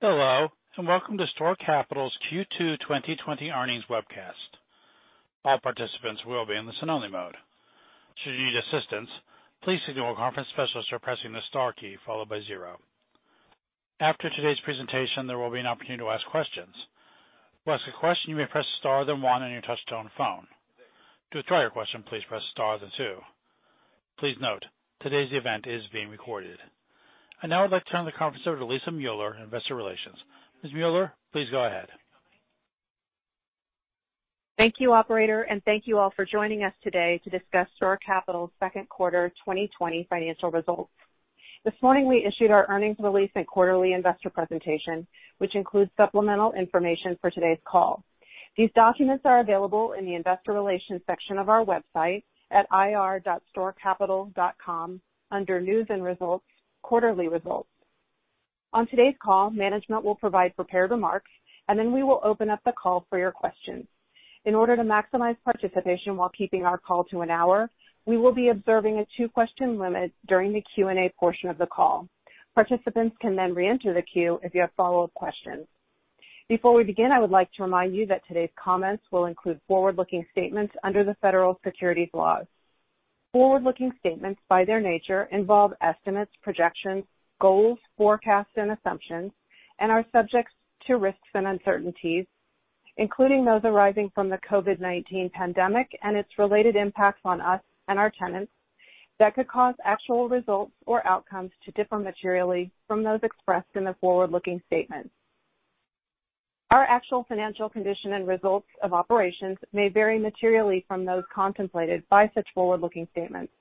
Hello, and welcome to STORE Capital's Q2 2020 earnings webcast. I'd now like to turn the conference over to Lisa Mueller in Investor Relations. Ms. Mueller, please go ahead. Thank you, operator. Thank you all for joining us today to discuss STORE Capital's second quarter 2020 financial results. This morning we issued our earnings release and quarterly investor presentation, which includes supplemental information for today's call. These documents are available in the Investor Relations section of our website at ir.storecapital.com under News and Results, Quarterly Results. On today's call, management will provide prepared remarks, and then we will open up the call for your questions. In order to maximize participation while keeping our call to an hour, we will be observing a two-question limit during the Q&A portion of the call. Participants can reenter the queue if you have follow-up questions. Before we begin, I would like to remind you that today's comments will include forward-looking statements under the federal securities laws. Forward-looking statements, by their nature, involve estimates, projections, goals, forecasts, and assumptions, and are subject to risks and uncertainties, including those arising from the COVID-19 pandemic and its related impacts on us and our tenants, that could cause actual results or outcomes to differ materially from those expressed in the forward-looking statements. Our actual financial condition and results of operations may vary materially from those contemplated by such forward-looking statements.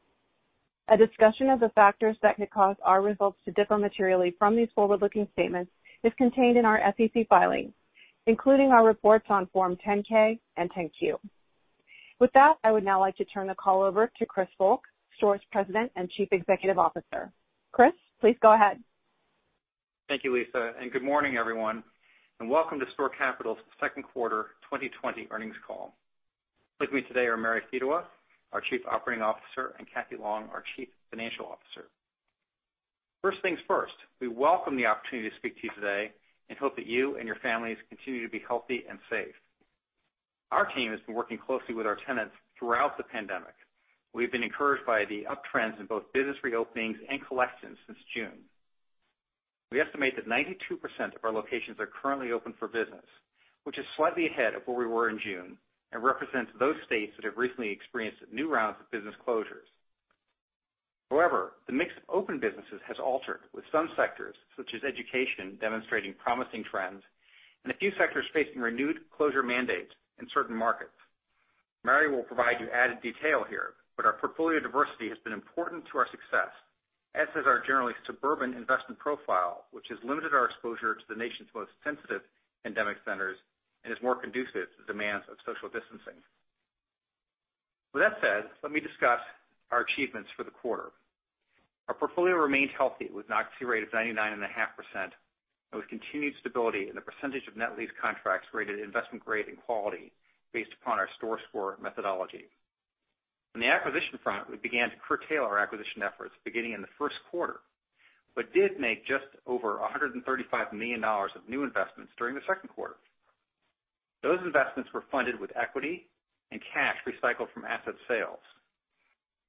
A discussion of the factors that could cause our results to differ materially from these forward-looking statements is contained in our SEC filings, including our reports on Form 10-K and 10-Q. With that, I would now like to turn the call over to Chris Volk, STORE's President and Chief Executive Officer. Chris, please go ahead. Thank you, Lisa, and good morning everyone, and welcome to STORE Capital's second quarter 2020 earnings call. With me today are Mary Fedewa, our Chief Operating Officer, and Catherine Long, our Chief Financial Officer. First things first, we welcome the opportunity to speak to you today and hope that you and your families continue to be healthy and safe. Our team has been working closely with our tenants throughout the pandemic. We've been encouraged by the uptrends in both business reopenings and collections since June. We estimate that 92% of our locations are currently open for business, which is slightly ahead of where we were in June and represents those states that have recently experienced new rounds of business closures. However, the mix of open businesses has altered, with some sectors, such as education, demonstrating promising trends and a few sectors facing renewed closure mandates in certain markets. Mary will provide you added detail here, but our portfolio diversity has been important to our success, as has our generally suburban investment profile, which has limited our exposure to the nation's most sensitive pandemic centers and is more conducive to demands of social distancing. With that said, let me discuss our achievements for the quarter. Our portfolio remains healthy with an occupancy rate of 99.5% and with continued stability in the percentage of net lease contracts rated investment-grade and quality based upon our STORE Score methodology. On the acquisition front, we began to curtail our acquisition efforts beginning in the first quarter but did make just over $135 million of new investments during the second quarter. Those investments were funded with equity and cash recycled from asset sales,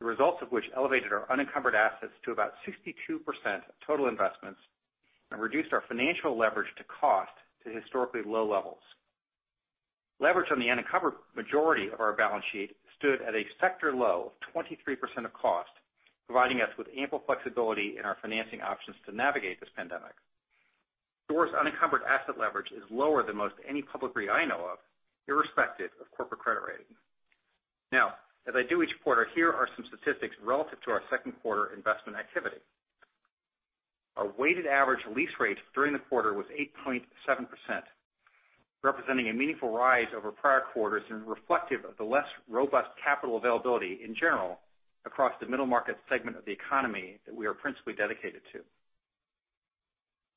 the results of which elevated our unencumbered assets to about 62% of total investments and reduced our financial leverage to cost to historically low levels. Leverage on the unencumbered majority of our balance sheet stood at a sector low of 23% of cost, providing us with ample flexibility in our financing options to navigate this pandemic. STORE's unencumbered asset leverage is lower than most any public REIT I know of, irrespective of corporate credit rating. Now, as I do each quarter, here are some statistics relative to our second quarter investment activity. Our weighted average lease rate during the quarter was 8.7%, representing a meaningful rise over prior quarters and reflective of the less robust capital availability in general across the middle market segment of the economy that we are principally dedicated to.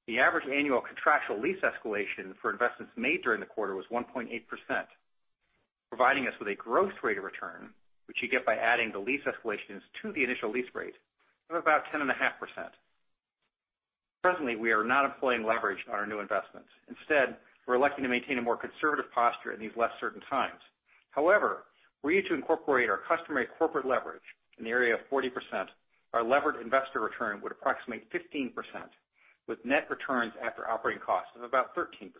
The average annual contractual lease escalation for investments made during the quarter was 1.8%, providing us with a growth rate of return, which you get by adding the lease escalations to the initial lease rate of about 10.5%. Presently, we are not employing leverage on our new investments. Instead, we're electing to maintain a more conservative posture in these less certain times. However, were you to incorporate our customary corporate leverage in the area of 40%, our levered investor return would approximate 15%, with net returns after operating costs of about 13%.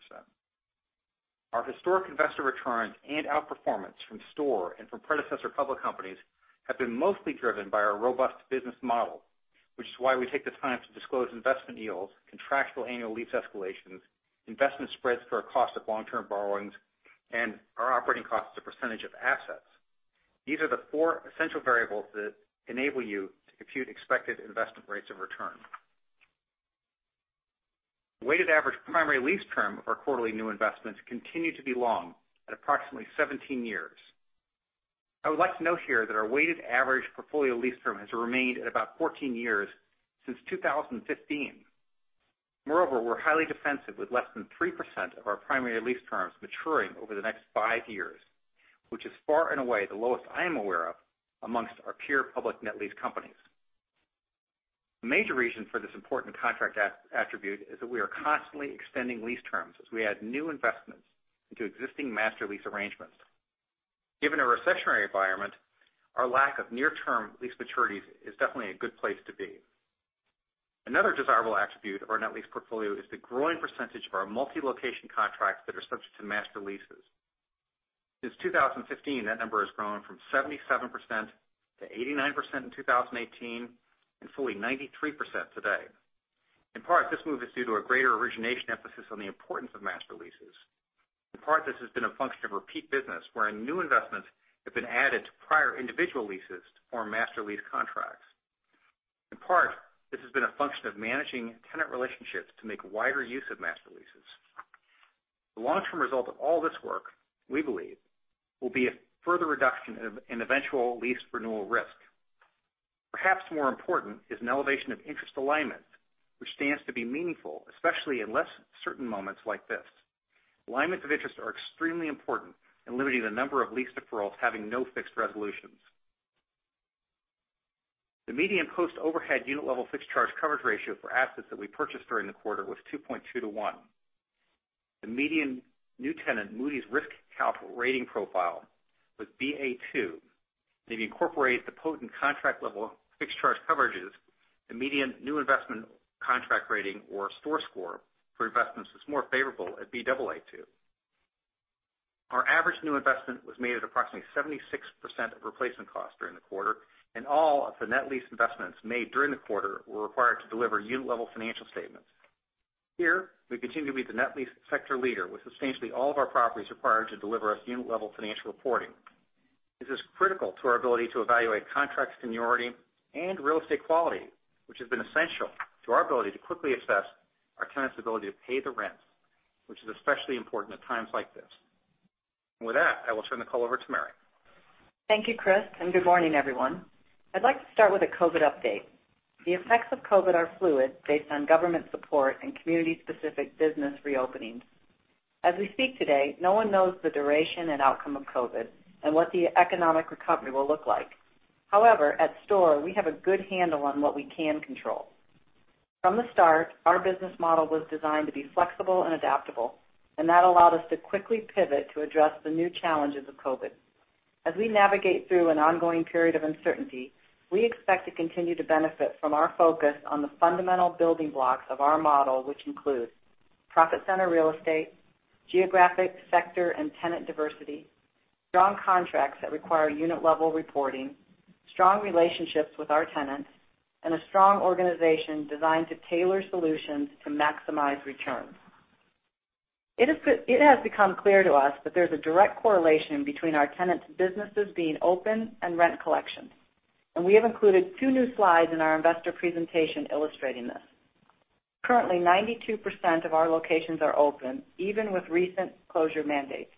Our historic investor returns and outperformance from STORE and from predecessor public companies have been mostly driven by our robust business model, which is why we take the time to disclose investment yields, contractual annual lease escalations, investment spreads for our cost of long-term borrowings, and our operating costs as a percentage of assets. These are the four essential variables that enable you to compute expected investment rates of return. Weighted average primary lease term of our quarterly new investments continue to be long at approximately 17 years. I would like to note here that our weighted average portfolio lease term has remained at about 14 years since 2015. Moreover, we're highly defensive with less than 3% of our primary lease terms maturing over the next five years, which is far and away the lowest I am aware of amongst our peer public net lease companies. The major reason for this important contract attribute is that we are constantly extending lease terms as we add new investments into existing master lease arrangements. Given a recessionary environment, our lack of near-term lease maturities is definitely a good place to be. Another desirable attribute of our net lease portfolio is the growing percentage of our multi-location contracts that are subject to master leases. Since 2015, that number has grown from 77% to 89% in 2018, and fully 93% today. In part, this move is due to a greater origination emphasis on the importance of master leases. In part, this has been a function of repeat business, wherein new investments have been added to prior individual leases to form master lease contracts. In part, this has been a function of managing tenant relationships to make wider use of master leases. The long-term result of all this work, we believe, will be a further reduction in eventual lease renewal risk. Perhaps more important is an elevation of interest alignment, which stands to be meaningful, especially in less certain moments like this. Alignments of interest are extremely important in limiting the number of lease deferrals having no fixed resolutions. The median post-overhead unit level fixed charge coverage ratio for assets that we purchased during the quarter was 2.2 to one. The median new tenant Moody's risk capital rating profile was Baa2, and if you incorporate the potent contract level fixed charge coverages, the median new investment contract rating or STORE Score for investments was more favorable at Baa2. Our average new investment was made at approximately 76% of replacement cost during the quarter, and all of the net lease investments made during the quarter were required to deliver unit level financial statements. Here, we continue to be the net lease sector leader, with substantially all of our properties required to deliver us unit level financial reporting. This is critical to our ability to evaluate contract seniority and real estate quality, which has been essential to our ability to quickly assess our tenants' ability to pay the rent, which is especially important at times like this. With that, I will turn the call over to Mary. Thank you, Chris, and good morning, everyone. I'd like to start with a COVID update. The effects of COVID are fluid based on government support and community-specific business reopenings. As we speak today, no one knows the duration and outcome of COVID and what the economic recovery will look like. However, at STORE, we have a good handle on what we can control. From the start, our business model was designed to be flexible and adaptable, and that allowed us to quickly pivot to address the new challenges of COVID. As we navigate through an ongoing period of uncertainty, we expect to continue to benefit from our focus on the fundamental building blocks of our model, which include profit center real estate, geographic sector and tenant diversity, strong contracts that require unit level reporting, strong relationships with our tenants, and a strong organization designed to tailor solutions to maximize returns. It has become clear to us that there's a direct correlation between our tenants' businesses being open and rent collection. We have included two new slides in our investor presentation illustrating this. Currently, 92% of our locations are open, even with recent closure mandates.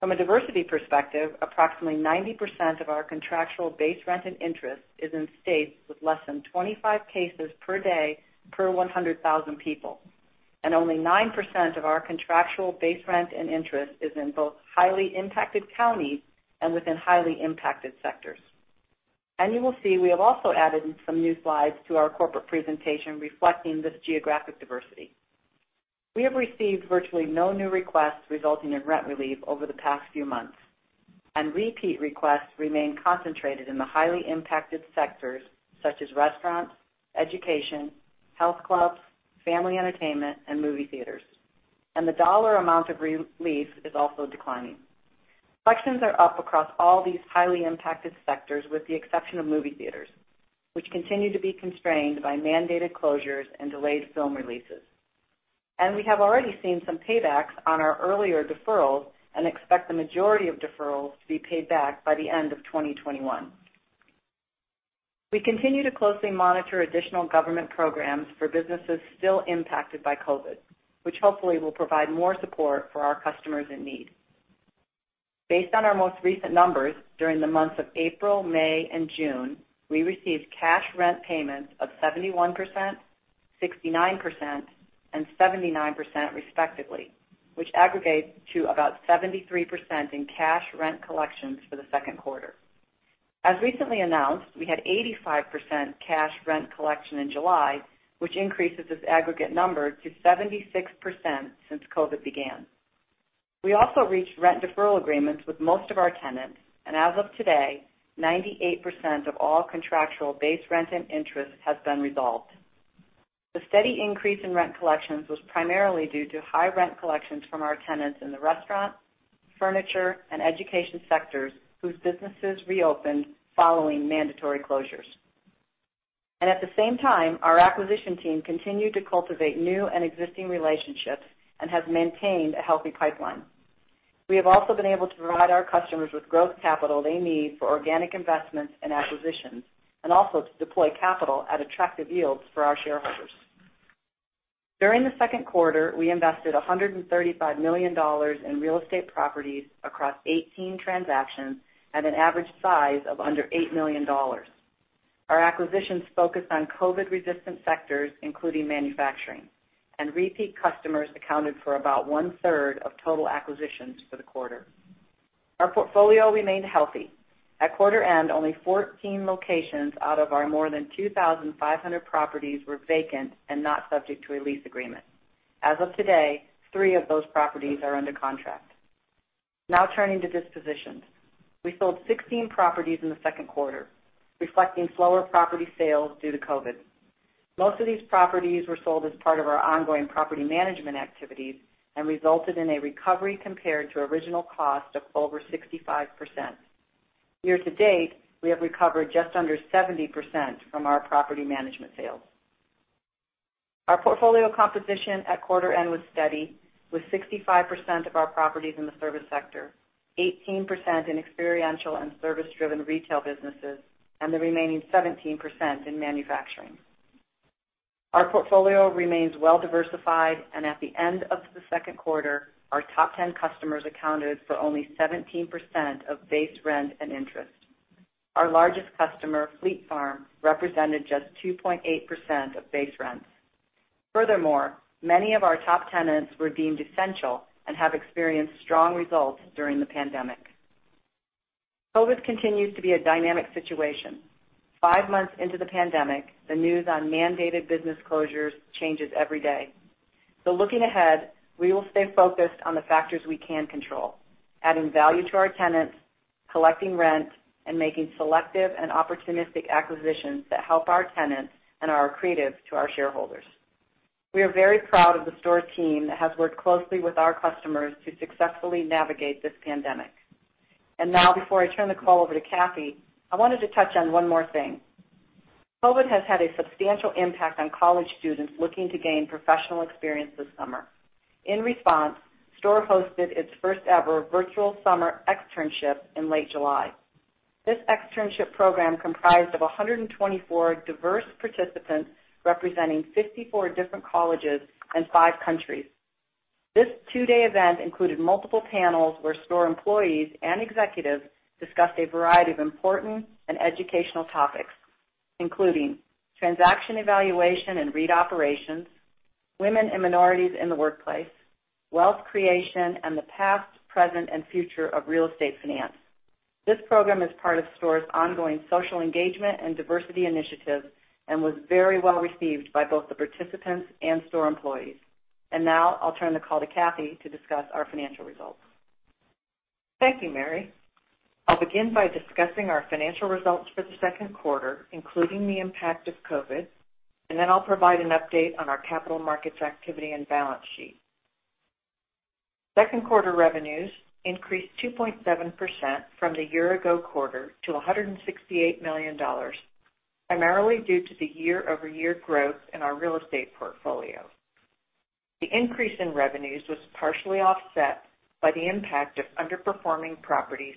From a diversity perspective, approximately 90% of our contractual base rent and interest is in states with less than 25 cases per day per 100,000 people. Only 9% of our contractual base rent and interest is in both highly impacted counties and within highly impacted sectors. You will see we have also added some new slides to our corporate presentation reflecting this geographic diversity. We have received virtually no new requests resulting in rent relief over the past few months, and repeat requests remain concentrated in the highly impacted sectors such as restaurants, education, health clubs, family entertainment, and movie theaters. The dollar amount of relief is also declining. Collections are up across all these highly impacted sectors, with the exception of movie theaters, which continue to be constrained by mandated closures and delayed film releases. We have already seen some paybacks on our earlier deferrals and expect the majority of deferrals to be paid back by the end of 2021. We continue to closely monitor additional government programs for businesses still impacted by COVID-19, which hopefully will provide more support for our customers in need. Based on our most recent numbers, during the months of April, May, and June, we received cash rent payments of 71%, 69%, and 79% respectively, which aggregate to about 73% in cash rent collections for the second quarter. As recently announced, we had 85% cash rent collection in July, which increases this aggregate number to 76% since COVID-19 began. We also reached rent deferral agreements with most of our tenants. As of today, 98% of all contractual base rent and interest has been resolved. The steady increase in rent collections was primarily due to high rent collections from our tenants in the restaurant, furniture, and education sectors, whose businesses reopened following mandatory closures. At the same time, our acquisition team continued to cultivate new and existing relationships and has maintained a healthy pipeline. We have also been able to provide our customers with growth capital they need for organic investments and acquisitions, also to deploy capital at attractive yields for our shareholders. During the second quarter, we invested $135 million in real estate properties across 18 transactions at an average size of under $8 million. Our acquisitions focused on COVID-resistant sectors, including manufacturing. Repeat customers accounted for about one-third of total acquisitions for the quarter. Our portfolio remained healthy. At quarter end, only 14 locations out of our more than 2,500 properties were vacant and not subject to a lease agreement. As of today, three of those properties are under contract. Now turning to dispositions. We sold 16 properties in the second quarter, reflecting slower property sales due to COVID. Most of these properties were sold as part of our ongoing property management activities and resulted in a recovery compared to original cost of over 65%. Year-to-date, we have recovered just under 70% from our property management sales. Our portfolio composition at quarter end was steady with 65% of our properties in the service sector, 18% in experiential and service-driven retail businesses, and the remaining 17% in manufacturing. Our portfolio remains well-diversified, and at the end of the second quarter, our top 10 customers accounted for only 17% of base rent and interest. Our largest customer, Fleet Farm, represented just 2.8% of base rents. Many of our top tenants were deemed essential and have experienced strong results during the pandemic. COVID continues to be a dynamic situation. Five months into the pandemic, the news on mandated business closures changes every day. Looking ahead, we will stay focused on the factors we can control, adding value to our tenants, collecting rent, and making selective and opportunistic acquisitions that help our tenants and are accretive to our shareholders. We are very proud of the STORE team that has worked closely with our customers to successfully navigate this pandemic. Now, before I turn the call over to Kathy, I wanted to touch on one more thing. COVID has had a substantial impact on college students looking to gain professional experience this summer. In response, STORE hosted its first-ever virtual Summer Externship in late July. This Externship program comprised of 124 diverse participants representing 54 different colleges and five countries. This two-day event included multiple panels where STORE employees and executives discussed a variety of important and educational topics, including transaction evaluation and REIT operations, women and minorities in the workplace, wealth creation, and the past, present, and future of real estate finance. This program is part of STORE's ongoing social engagement and diversity initiative and was very well received by both the participants and STORE employees. Now I'll turn the call to Kathy to discuss our financial results. Thank you, Mary. I'll begin by discussing our financial results for the second quarter, including the impact of COVID, and then I'll provide an update on our capital markets activity and balance sheet. Second quarter revenues increased 2.7% from the year-ago quarter to $168 million, primarily due to the year-over-year growth in our real estate portfolio. The increase in revenues was partially offset by the impact of underperforming properties,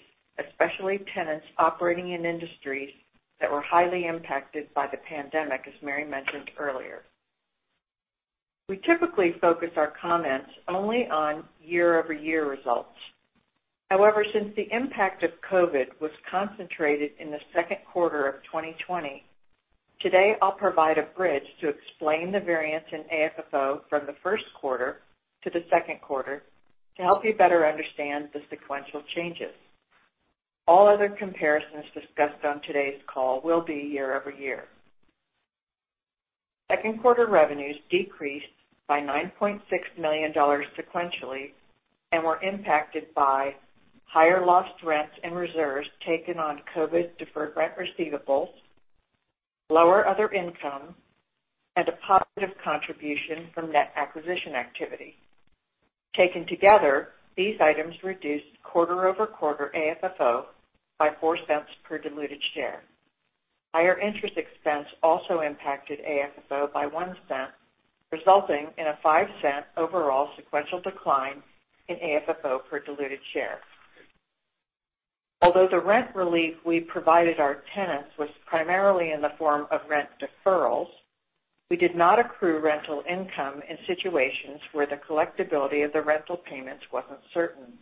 especially tenants operating in industries that were highly impacted by the pandemic, as Mary mentioned earlier. We typically focus our comments only on year-over-year results. However, since the impact of COVID was concentrated in the second quarter of 2020, today I'll provide a bridge to explain the variance in AFFO from the first quarter to the second quarter to help you better understand the sequential changes. All other comparisons discussed on today's call will be year-over-year. Second quarter revenues decreased by $9.6 million sequentially and were impacted by higher lost rents and reserves taken on COVID deferred rent receivables, lower other income, and a positive contribution from net acquisition activity. Taken together, these items reduced quarter-over-quarter AFFO by $0.04 per diluted share. Higher interest expense also impacted AFFO by $0.01, resulting in a $0.05 overall sequential decline in AFFO per diluted share. Although the rent relief we provided our tenants was primarily in the form of rent deferrals, we did not accrue rental income in situations where the collectability of the rental payments wasn't certain.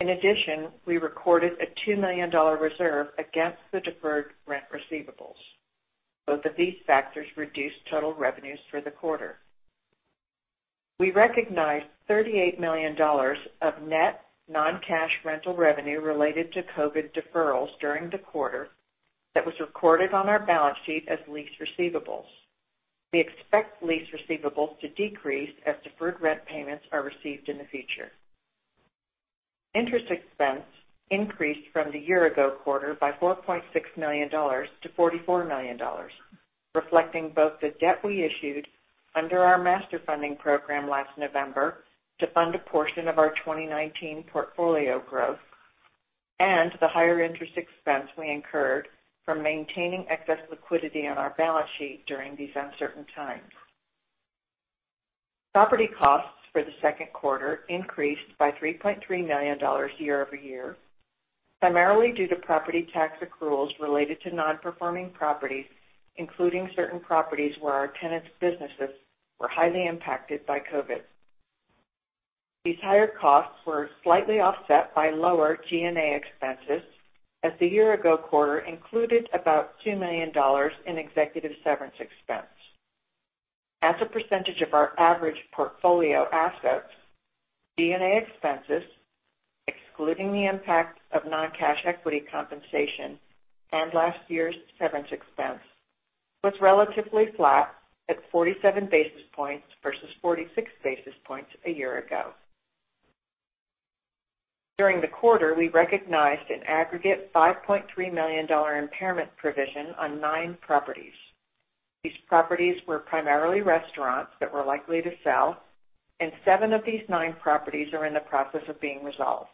In addition, we recorded a $2 million reserve against the deferred rent receivables. Both of these factors reduced total revenues for the quarter. We recognized $38 million of net non-cash rental revenue related to COVID deferrals during the quarter that was recorded on our balance sheet as lease receivables. We expect lease receivables to decrease as deferred rent payments are received in the future. Interest expense increased from the year-ago quarter by $4.6 million to $44 million, reflecting both the debt we issued under our master funding program last November to fund a portion of our 2019 portfolio growth and the higher interest expense we incurred from maintaining excess liquidity on our balance sheet during these uncertain times. Property costs for the second quarter increased by $3.3 million year-over-year, primarily due to property tax accruals related to non-performing properties, including certain properties where our tenants' businesses were highly impacted by COVID. These higher costs were slightly offset by lower G&A expenses as the year-ago quarter included about $2 million in executive severance expense. As a percentage of our average portfolio assets, G&A expenses, excluding the impact of non-cash equity compensation and last year's severance expense, was relatively flat at 47 basis points versus 46 basis points a year ago. During the quarter, we recognized an aggregate $5.3 million impairment provision on nine properties. These properties were primarily restaurants that we're likely to sell, and seven of these nine properties are in the process of being resolved.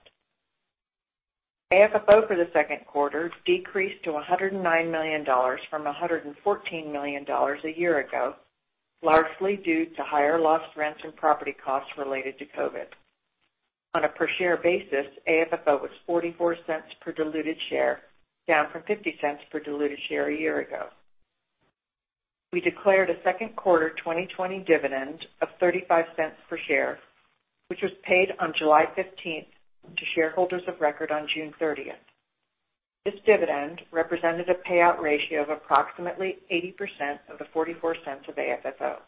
AFFO for the second quarter decreased to $109 million from $114 million a year ago, largely due to higher lost rents and property costs related to COVID-19. On a per share basis, AFFO was $0.44 per diluted share, down from $0.50 per diluted share a year ago. We declared a second quarter 2020 dividend of $0.35 per share, which was paid on July 15th to shareholders of record on June 30th. This dividend represented a payout ratio of approximately 80% of the $0.44 of AFFO.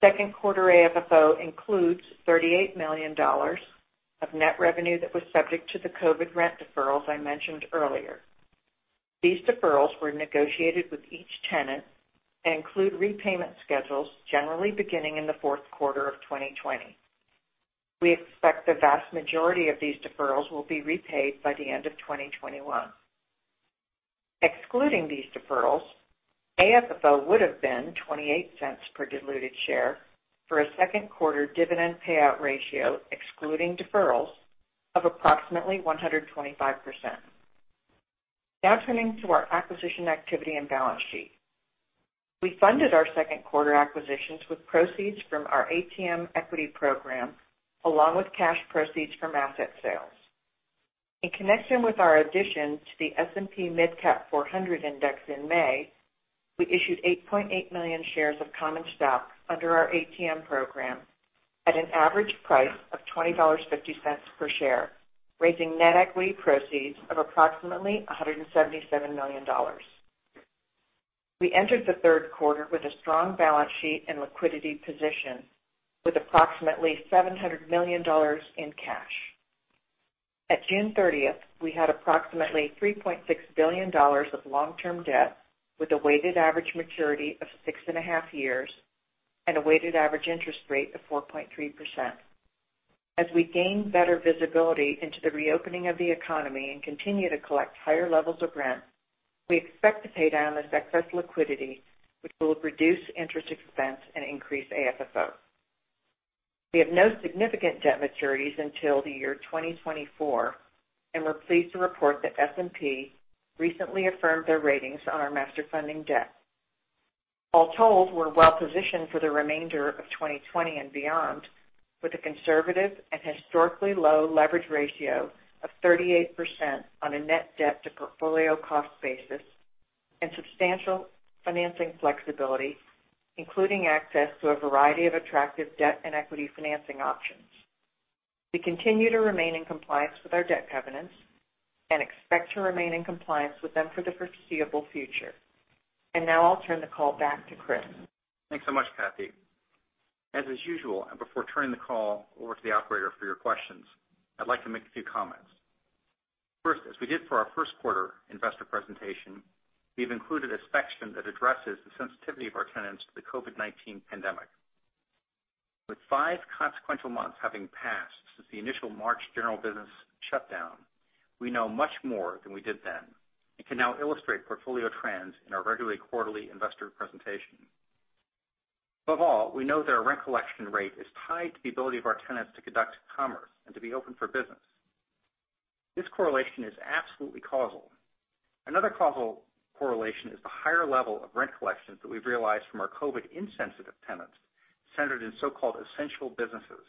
Second quarter AFFO includes $38 million of net revenue that was subject to the COVID-19 rent deferrals I mentioned earlier. These deferrals were negotiated with each tenant and include repayment schedules generally beginning in the fourth quarter of 2020. We expect the vast majority of these deferrals will be repaid by the end of 2021. Excluding these deferrals, AFFO would've been $0.28 per diluted share for a second quarter dividend payout ratio excluding deferrals of approximately 125%. Turning to our acquisition activity and balance sheet. We funded our second quarter acquisitions with proceeds from our ATM equity program, along with cash proceeds from asset sales. In connection with our addition to the S&P MidCap 400 index in May, we issued 8.8 million shares of common stock under our ATM program at an average price of $20.50 per share, raising net equity proceeds of approximately $177 million. We entered the third quarter with a strong balance sheet and liquidity position with approximately $700 million in cash. At June 30th, we had approximately $3.6 billion of long-term debt with a weighted average maturity of six and a half years and a weighted average interest rate of 4.3%. As we gain better visibility into the reopening of the economy and continue to collect higher levels of rent, we expect to pay down this excess liquidity, which will reduce interest expense and increase AFFO. We have no significant debt maturities until the year 2024, and we're pleased to report that S&P recently affirmed their ratings on our master funding debt. All told, we're well-positioned for the remainder of 2020 and beyond with a conservative and historically low leverage ratio of 38% on a net debt to portfolio cost basis and substantial financing flexibility, including access to a variety of attractive debt and equity financing options. We continue to remain in compliance with our debt covenants and expect to remain in compliance with them for the foreseeable future. Now I'll turn the call back to Chris. Thanks so much, Kathy. As is usual, and before turning the call over to the operator for your questions, I'd like to make a few comments. First, as we did for our first quarter investor presentation, we've included a section that addresses the sensitivity of our tenants to the COVID-19 pandemic. With five consequential months having passed since the initial March general business shutdown, we know much more than we did then and can now illustrate portfolio trends in our regularly quarterly investor presentation. Above all, we know that our rent collection rate is tied to the ability of our tenants to conduct commerce and to be open for business. This correlation is absolutely causal. Another causal correlation is the higher level of rent collections that we've realized from our COVID insensitive tenants centered in so-called essential businesses.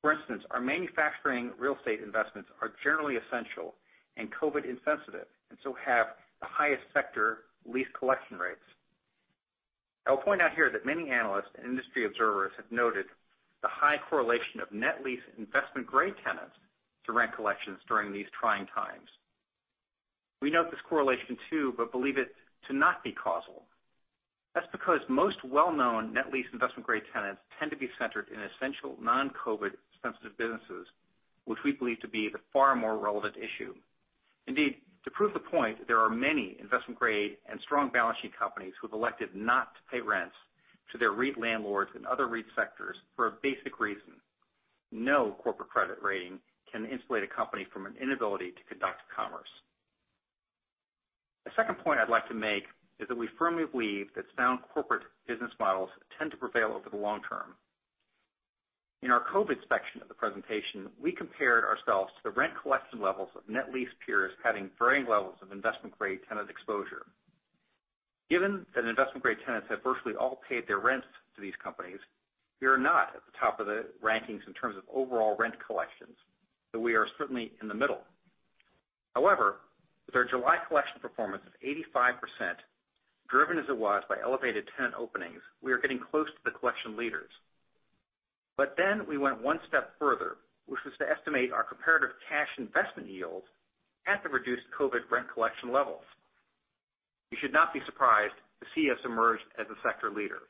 For instance, our manufacturing real estate investments are generally essential and COVID-insensitive, and so have the highest sector lease collection rates. I'll point out here that many analysts and industry observers have noted the high correlation of net lease investment-grade tenants to rent collections during these trying times. We note this correlation too, but believe it to not be causal. That's because most well-known net lease investment-grade tenants tend to be centered in essential non-COVID-sensitive businesses, which we believe to be the far more relevant issue. Indeed, to prove the point, there are many investment-grade and strong balance sheet companies who have elected not to pay rents to their REIT landlords and other REIT sectors for a basic reason. No corporate credit rating can insulate a company from an inability to conduct commerce. The second point I'd like to make is that we firmly believe that sound corporate business models tend to prevail over the long term. In our COVID section of the presentation, we compared ourselves to the rent collection levels of net lease peers having varying levels of investment-grade tenant exposure. Given that investment-grade tenants have virtually all paid their rents to these companies, we are not at the top of the rankings in terms of overall rent collections, but we are certainly in the middle. With our July collection performance of 85%, driven as it was by elevated tenant openings, we are getting close to the collection leaders. We went one step further, which was to estimate our comparative cash investment yields at the reduced COVID rent collection levels. You should not be surprised to see us emerge as a sector leader.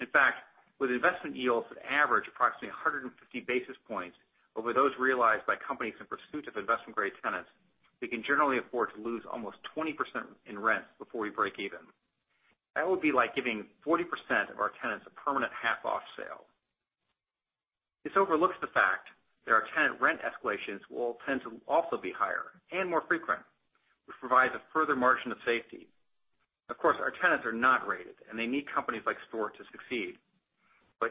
In fact, with investment yields that average approximately 150 basis points over those realized by companies in pursuit of investment-grade tenants, we can generally afford to lose almost 20% in rent before we break even. That would be like giving 40% of our tenants a permanent half-off sale. This overlooks the fact that our tenant rent escalations will tend to also be higher and more frequent, which provides a further margin of safety. Of course, our tenants are not rated, and they need companies like STORE to succeed.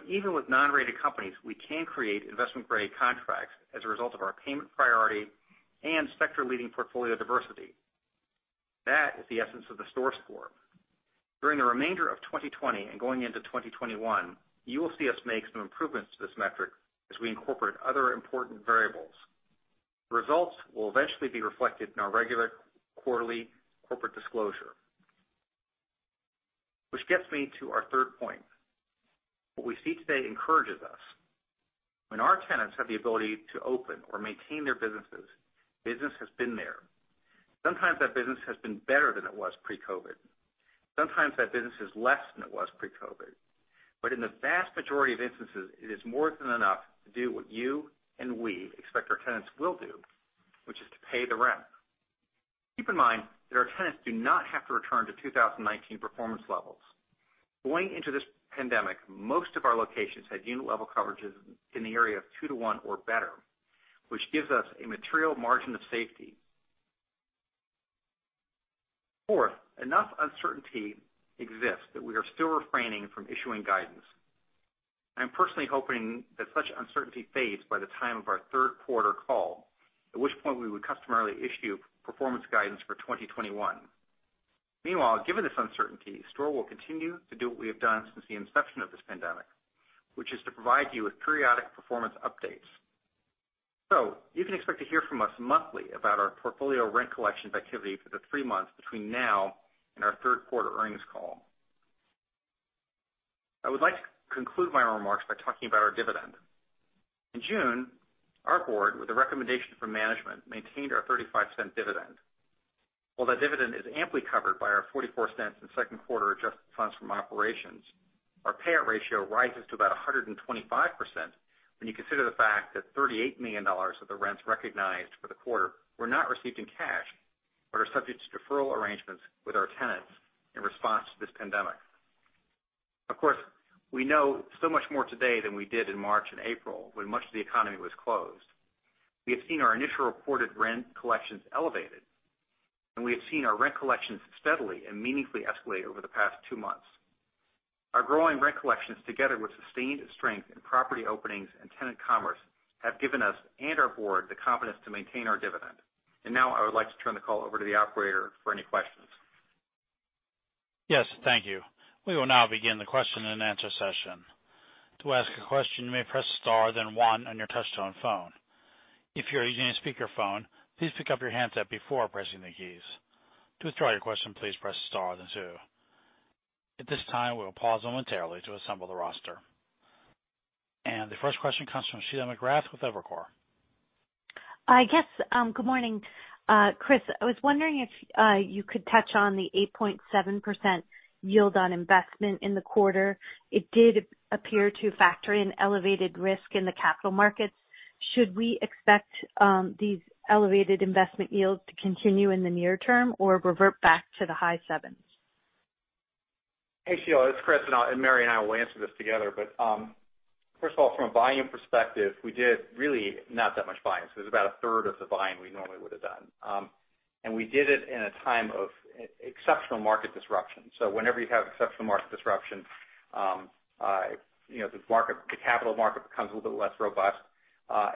Even with non-rated companies, we can create investment-grade contracts as a result of our payment priority and sector-leading portfolio diversity. That is the essence of the STORE Score. During the remainder of 2020 and going into 2021, you will see us make some improvements to this metric as we incorporate other important variables. Results will eventually be reflected in our regular quarterly corporate disclosure. Which gets me to our third point. What we see today encourages us. When our tenants have the ability to open or maintain their businesses, business has been there. Sometimes that business has been better than it was pre-COVID. Sometimes that business is less than it was pre-COVID. In the vast majority of instances, it is more than enough to do what you and we expect our tenants will do, which is to pay the rent. Keep in mind that our tenants do not have to return to 2019 performance levels. Going into this pandemic, most of our locations had unit level coverages in the area of two to one or better, which gives us a material margin of safety. Fourth, enough uncertainty exists that we are still refraining from issuing guidance. I'm personally hoping that such uncertainty fades by the time of our third quarter call, at which point we would customarily issue performance guidance for 2021. Meanwhile, given this uncertainty, STORE will continue to do what we have done since the inception of this pandemic, which is to provide you with periodic performance updates. You can expect to hear from us monthly about our portfolio rent collections activity for the three months between now and our third quarter earnings call. I would like to conclude my remarks by talking about our dividend. In June, our board, with a recommendation from management, maintained our $0.35 dividend. While that dividend is amply covered by our $0.44 in second quarter adjusted funds from operations, our payout ratio rises to about 125% when you consider the fact that $38 million of the rents recognized for the quarter were not received in cash, but are subject to deferral arrangements with our tenants in response to this pandemic. Of course, we know so much more today than we did in March and April, when much of the economy was closed. We have seen our initial reported rent collections elevated, and we have seen our rent collections steadily and meaningfully escalate over the past two months. Our growing rent collections, together with sustained strength in property openings and tenant commerce, have given us and our board the confidence to maintain our dividend. Now I would like to turn the call over to the operator for any questions. Yes. Thank you. We will now begin the question and answer session. The first question comes from Sheila McGrath with Evercore. I guess, good morning, Chris. I was wondering if you could touch on the 8.7% yield on investment in the quarter. It did appear to factor in elevated risk in the capital markets. Should we expect these elevated investment yields to continue in the near term or revert back to the high sevens? Hey, Sheila, it's Chris, and Mary and I will answer this together. First of all, from a volume perspective, we did really not that much buying. It was about a third of the buying we normally would have done. We did it in a time of exceptional market disruption. Whenever you have exceptional market disruption, the capital market becomes a little bit less robust. Our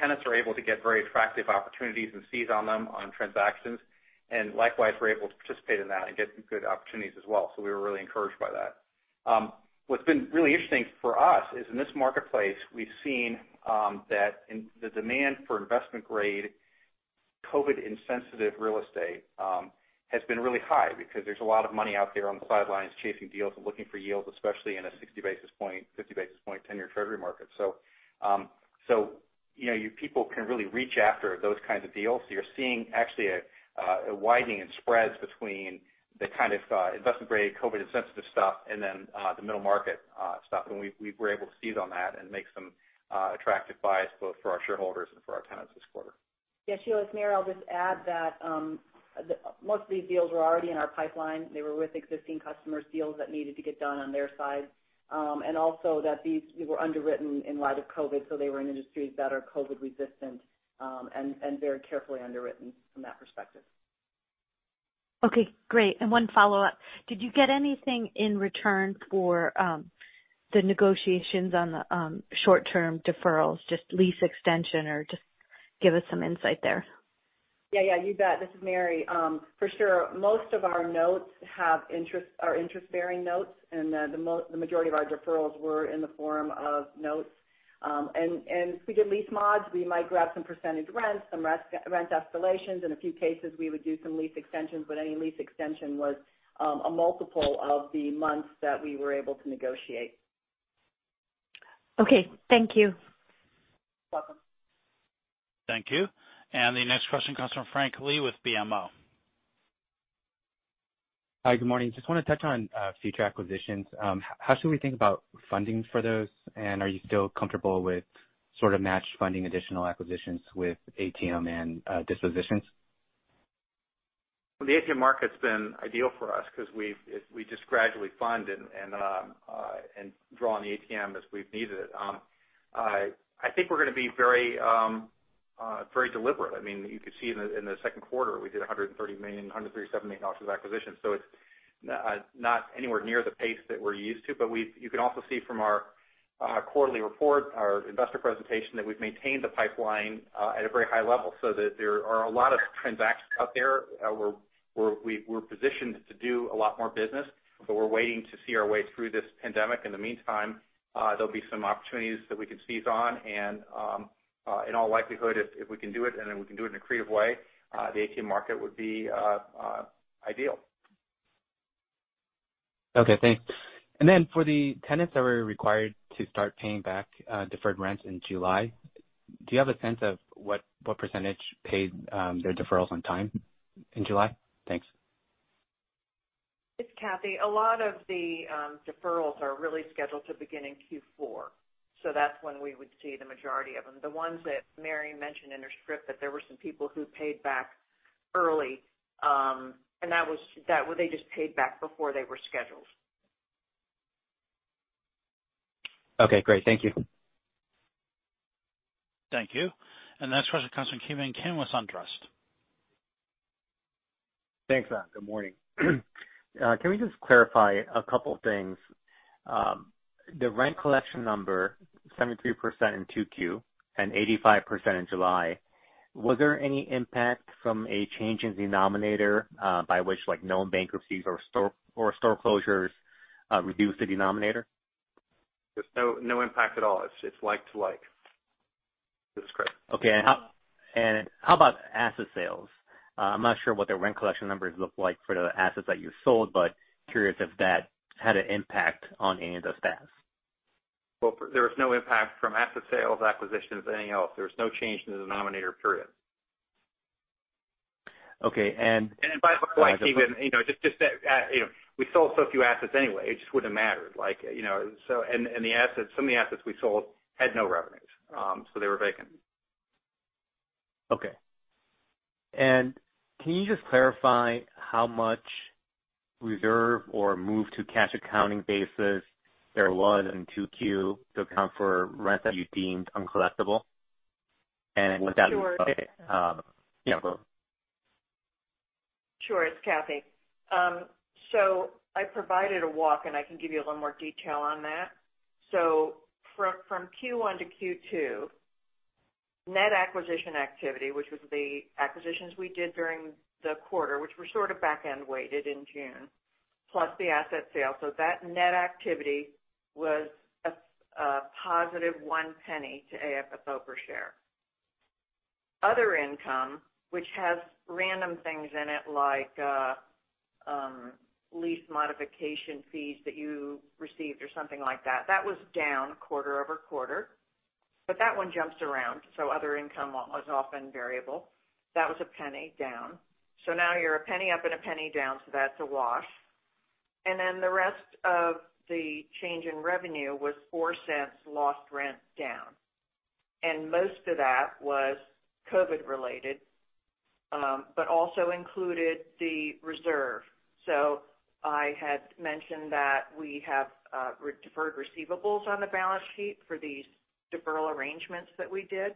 tenants are able to get very attractive opportunities and seize on them on transactions. Likewise, we're able to participate in that and get some good opportunities as well. We were really encouraged by that. What's been really interesting for us is in this marketplace, we've seen that the demand for investment-grade, COVID-insensitive real estate has been really high because there's a lot of money out there on the sidelines chasing deals and looking for yields, especially in a 60 basis point, 50 basis point 10-year Treasury market. People can really reach after those kinds of deals. You're seeing actually a widening in spreads between the kind of investment-grade COVID-insensitive stuff and then the middle market stuff. We were able to seize on that and make some attractive buys both for our shareholders and for our tenants this quarter. Yeah, Sheila, it's Mary. I'll just add that most of these deals were already in our pipeline. They were with existing customers, deals that needed to get done on their side. And also that these were underwritten in light of COVID, so they were in industries that are COVID-resistant, and very carefully underwritten from that perspective. Okay, great. One follow-up. Did you get anything in return for the negotiations on the short-term deferrals, just lease extension or just give us some insight there? Yeah. You bet. This is Mary. For sure, most of our notes are interest-bearing notes, and the majority of our deferrals were in the form of notes. If we did lease mods, we might grab some percentage rents, some rent escalations. In a few cases, we would do some lease extensions, but any lease extension was a multiple of the months that we were able to negotiate. Okay, thank you. You're welcome. Thank you. The next question comes from Frank Li with BMO. Hi, good morning. Just want to touch on future acquisitions. How should we think about funding for those? Are you still comfortable with sort of matched funding additional acquisitions with ATM and dispositions? The ATM market's been ideal for us because we just gradually fund and draw on the ATM as we've needed it. I think we're going to be very deliberate. You could see in the second quarter, we did $130 million, $137 million of acquisitions. It's not anywhere near the pace that we're used to. You can also see from our quarterly report, our investor presentation, that we've maintained the pipeline at a very high level, so that there are a lot of transactions out there. We're positioned to do a lot more business, but we're waiting to see our way through this pandemic. In the meantime, there'll be some opportunities that we can seize on and, in all likelihood, if we can do it and we can do it in a creative way, the ATM market would be ideal. Okay, thanks. For the tenants that were required to start paying back deferred rents in July, do you have a sense of what % paid their deferrals on time in July? Thanks. It's Kathy. A lot of the deferrals are really scheduled to begin in Q4, so that's when we would see the majority of them. The ones that Mary mentioned in her script, that there were some people who paid back early, and they just paid back before they were scheduled. Okay, great. Thank you. Thank you. The next question comes from Kevin Kim with SunTrust. Thanks. Good morning. Can we just clarify a couple of things? The rent collection number, 73% in 2Q and 85% in July, was there any impact from a change in denominator by which known bankruptcies or store closures reduced the denominator? There's no impact at all. It's like to like. This is Chris. Okay. How about asset sales? I'm not sure what the rent collection numbers look like for the assets that you sold, but curious if that had an impact on any of those stats. Well, there was no impact from asset sales, acquisitions, anything else. There was no change in the denominator, period. Okay. By the way, Kevin, we sold so few assets anyway, it just wouldn't have mattered. Some of the assets we sold had no revenues, so they were vacant. Okay. Can you just clarify how much reserve or move to cash accounting basis there was in 2Q to account for rent that you deemed uncollectible? Would that be- Sure. Okay. Yeah. It's Kathy. I provided a walk and I can give you a little more detail on that. From Q1 to Q2, net acquisition activity, which was the acquisitions we did during the quarter, which were sort of back-end weighted in June, plus the asset sale. That net activity was a positive $0.01 to AFFO per share. Other income, which has random things in it like lease modification fees that you received or something like that was down quarter-over-quarter. That one jumps around, other income was often variable. That was a $0.01 down. Now you're a $0.01 up and a $0.01 down, that's a wash. The rest of the change in revenue was $0.04 lost rent down. Most of that was COVID related, but also included the reserve. I had mentioned that we have deferred receivables on the balance sheet for these deferral arrangements that we did,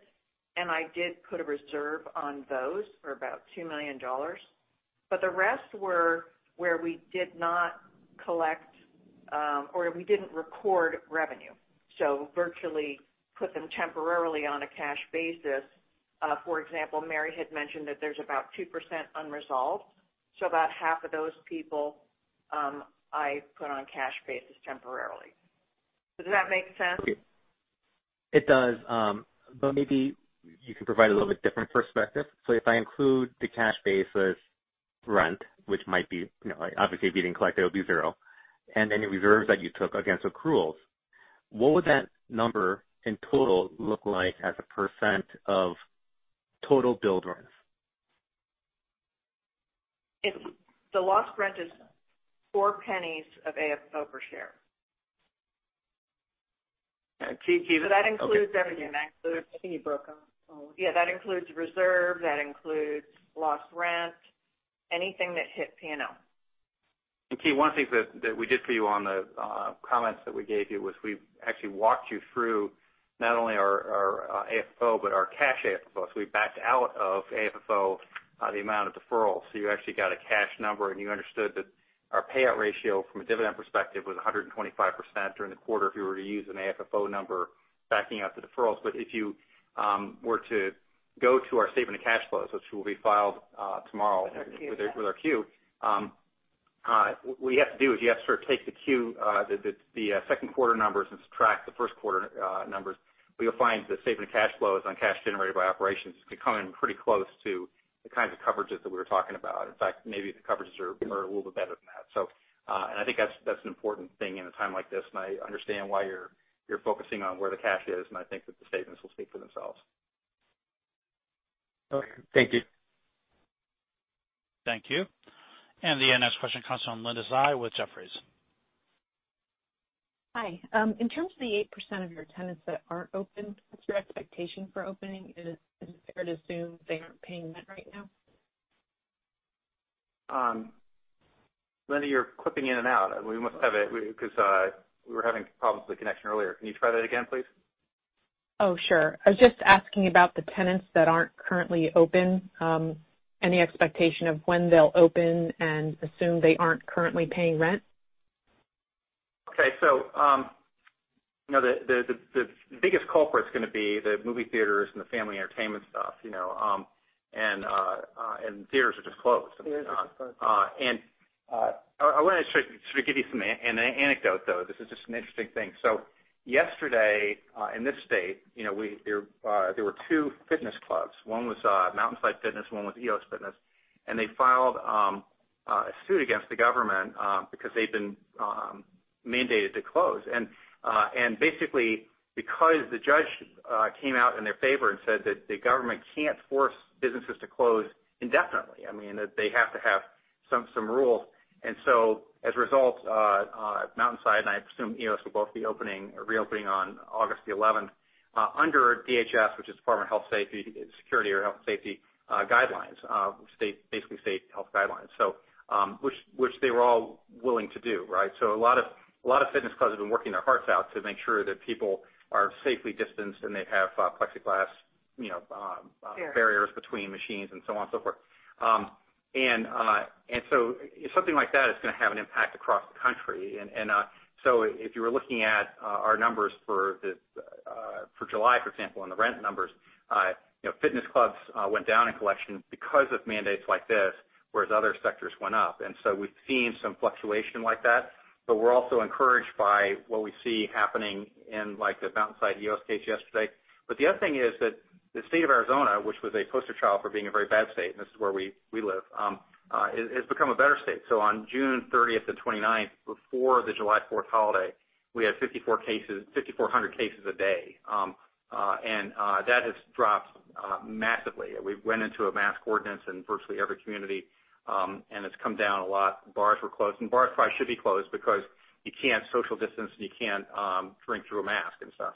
and I did put a reserve on those for about $2 million. The rest were where we did not collect or we didn't record revenue, so virtually put them temporarily on a cash basis. For example, Mary had mentioned that there's about 2% unresolved. About half of those people I put on cash basis temporarily. Does that make sense? It does. Maybe you can provide a little bit different perspective. If I include the cash basis rent, which might be, obviously if you didn't collect it would be zero, and any reserves that you took against accruals, what would that number in total look like as a % of total billed rents? The lost rent is $0.04 of AFFO per share. Kevin That includes everything. I think you broke up. Yeah, that includes reserve, that includes lost rent, anything that hit P&L. Kevin, one of the things that we did for you on the comments that we gave you was we actually walked you through not only our AFFO, but our cash AFFO. We backed out of AFFO the amount of deferral. You actually got a cash number and you understood that. Our payout ratio from a dividend perspective was 125% during the quarter if you were to use an AFFO number backing out the deferrals. If you were to go to our statement of cash flows, which will be filed tomorrow. [inaudible] with our Q. What you have to do is you have to sort of take the Q, the second quarter numbers and subtract the first quarter numbers, but you'll find the statement of cash flows on cash generated by operations could come in pretty close to the kinds of coverages that we were talking about. In fact, maybe the coverages are a little bit better than that. I think that's an important thing in a time like this, and I understand why you're focusing on where the cash is, and I think that the statements will speak for themselves. Okay. Thank you. Thank you. The next question comes from Linda Tsai with Jefferies. Hi. In terms of the 8% of your tenants that aren't open, what's your expectation for opening? Is it fair to assume they aren't paying rent right now? Linda, you're clipping in and out. We must have it because we were having problems with the connection earlier. Can you try that again, please? Oh, sure. I was just asking about the tenants that aren't currently open. Any expectation of when they'll open, and assume they aren't currently paying rent. Okay. The biggest culprit's going to be the movie theaters and the family entertainment stuff. Theaters are just closed. [inaudible] I want to sort of give you an anecdote, though. This is just an interesting thing. Yesterday, in this state, there were two fitness clubs. One was Mountainside Fitness, one was EoS Fitness, and they filed a suit against the government because they'd been mandated to close. Basically, because the judge came out in their favor and said that the government can't force businesses to close indefinitely. I mean, they have to have some rules. As a result, Mountainside, and I assume EoS, will both be opening or reopening on August the 11th under DHS, which is Department of Health Safety and Security or Health Safety Guidelines, basically state health guidelines. Which they were all willing to do, right? A lot of fitness clubs have been working their hearts out to make sure that people are safely distanced, and they have plexiglass. Yeah barriers between machines and so on and so forth. Something like that is going to have an impact across the country. If you were looking at our numbers for July, for example, and the rent numbers, fitness clubs went down in collections because of mandates like this, whereas other sectors went up. We've seen some fluctuation like that, but we're also encouraged by what we see happening in the Mountainside EoS case yesterday. The other thing is that the state of Arizona, which was a poster child for being a very bad state, and this is where we live, has become a better state. On June 30th and 29th, before the July fourth holiday, we had 5,400 cases a day. That has dropped massively. We went into a mask ordinance in virtually every community, and it's come down a lot. Bars were closed. Bars probably should be closed because you can't social distance, and you can't drink through a mask and stuff.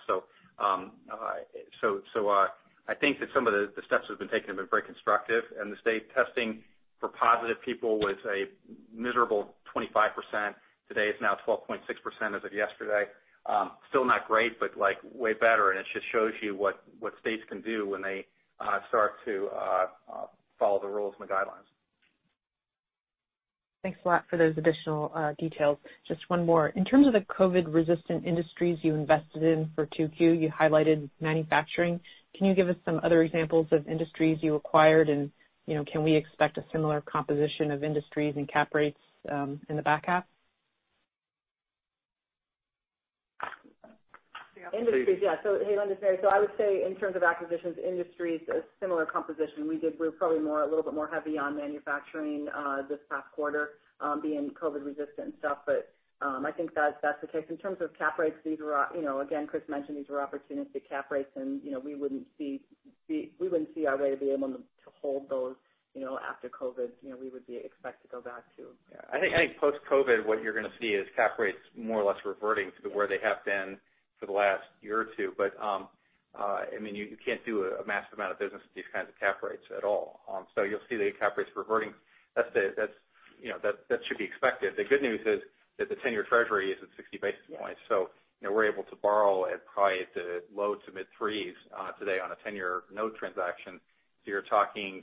I think that some of the steps that have been taken have been very constructive. The state testing for positive people was a miserable 25%. Today it's now 12.6% as of yesterday. Still not great, but way better. It just shows you what states can do when they start to follow the rules and the guidelines. Thanks a lot for those additional details. Just one more. In terms of the COVID-resistant industries you invested in for 2Q, you highlighted manufacturing. Can you give us some other examples of industries you acquired, and can we expect a similar composition of industries and cap rates in the back half? Industries. Yeah. Hey, Linda, it's Mary. I would say in terms of acquisitions, industry is a similar composition. We were probably a little bit more heavy on manufacturing this past quarter being COVID resistant and stuff. I think that's the case. In terms of cap rates, again, Chris mentioned these were opportunistic cap rates, and we wouldn't see our way to be able to hold those after COVID. We would expect to go back to. Yeah. I think post-COVID, what you're going to see is cap rates more or less reverting to where they have been for the last year or two. You can't do a massive amount of business at these kinds of cap rates at all. You'll see the cap rates reverting. That should be expected. The good news is that the 10-year Treasury is at 60 basis points. We're able to borrow at probably the low to mid threes today on a 10-year note transaction. You're talking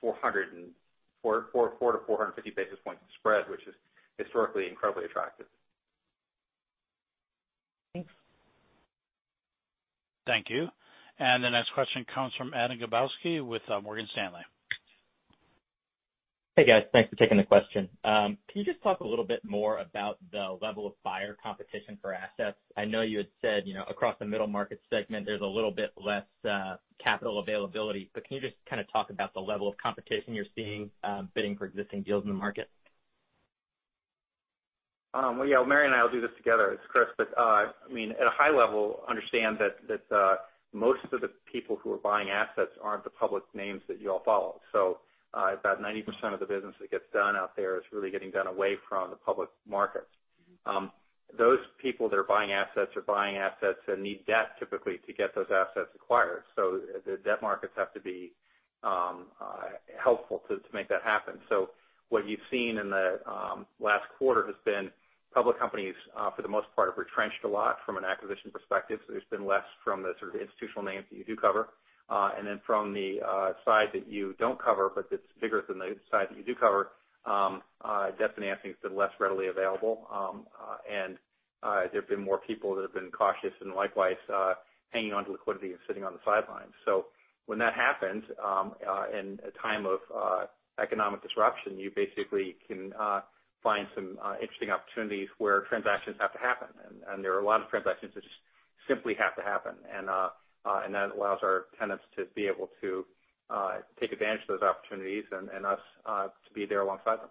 400 to 450 basis point spread, which is historically incredibly attractive. Thanks. Thank you. The next question comes from Adam Dabrowski with Morgan Stanley. Hey, guys. Thanks for taking the question. Can you just talk a little bit more about the level of buyer competition for assets? I know you had said across the middle market segment, there's a little bit less capital availability, but can you just kind of talk about the level of competition you're seeing bidding for existing deals in the market? Well, yeah. Mary and I will do this together. It's Chris. At a high level, understand that most of the people who are buying assets aren't the public names that you all follow. About 90% of the business that gets done out there is really getting done away from the public markets. Those people that are buying assets are buying assets and need debt typically to get those assets acquired. The debt markets have to be helpful to make that happen. What you've seen in the last quarter has been. Public companies, for the most part, are retrenched a lot from an acquisition perspective. There's been less from the sort of institutional names that you do cover. From the side that you don't cover, but that's bigger than the side that you do cover, debt financing's been less readily available. There have been more people that have been cautious and likewise hanging onto liquidity and sitting on the sidelines. When that happens, in a time of economic disruption, you basically can find some interesting opportunities where transactions have to happen. There are a lot of transactions that just simply have to happen. That allows our tenants to be able to take advantage of those opportunities and us to be there alongside them.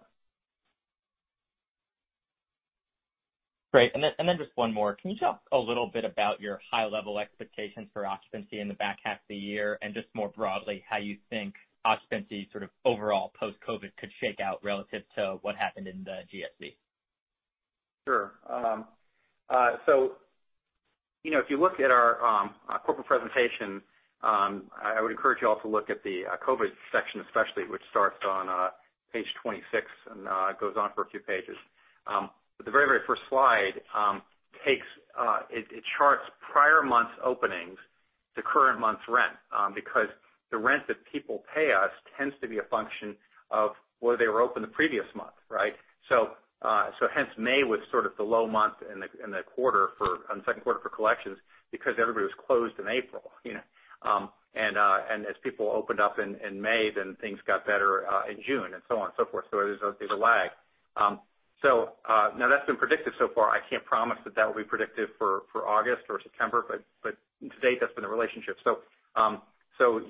Great. Just one more. Can you talk a little bit about your high-level expectations for occupancy in the back half of the year, and just more broadly, how you think occupancy sort of overall post-COVID-19 could shake out relative to what happened in the GFC? Sure. If you look at our corporate presentation, I would encourage you all to look at the COVID section especially, which starts on page 26 and goes on for a few pages. The very first slide, it charts prior month's openings to current month's rent. Because the rent that people pay us tends to be a function of whether they were open the previous month, right? Hence May was sort of the low month in the second quarter for collections because everybody was closed in April. As people opened up in May, then things got better in June and so on and so forth. There's a lag. Now that's been predictive so far. I can't promise that that will be predictive for August or September, but to date, that's been the relationship.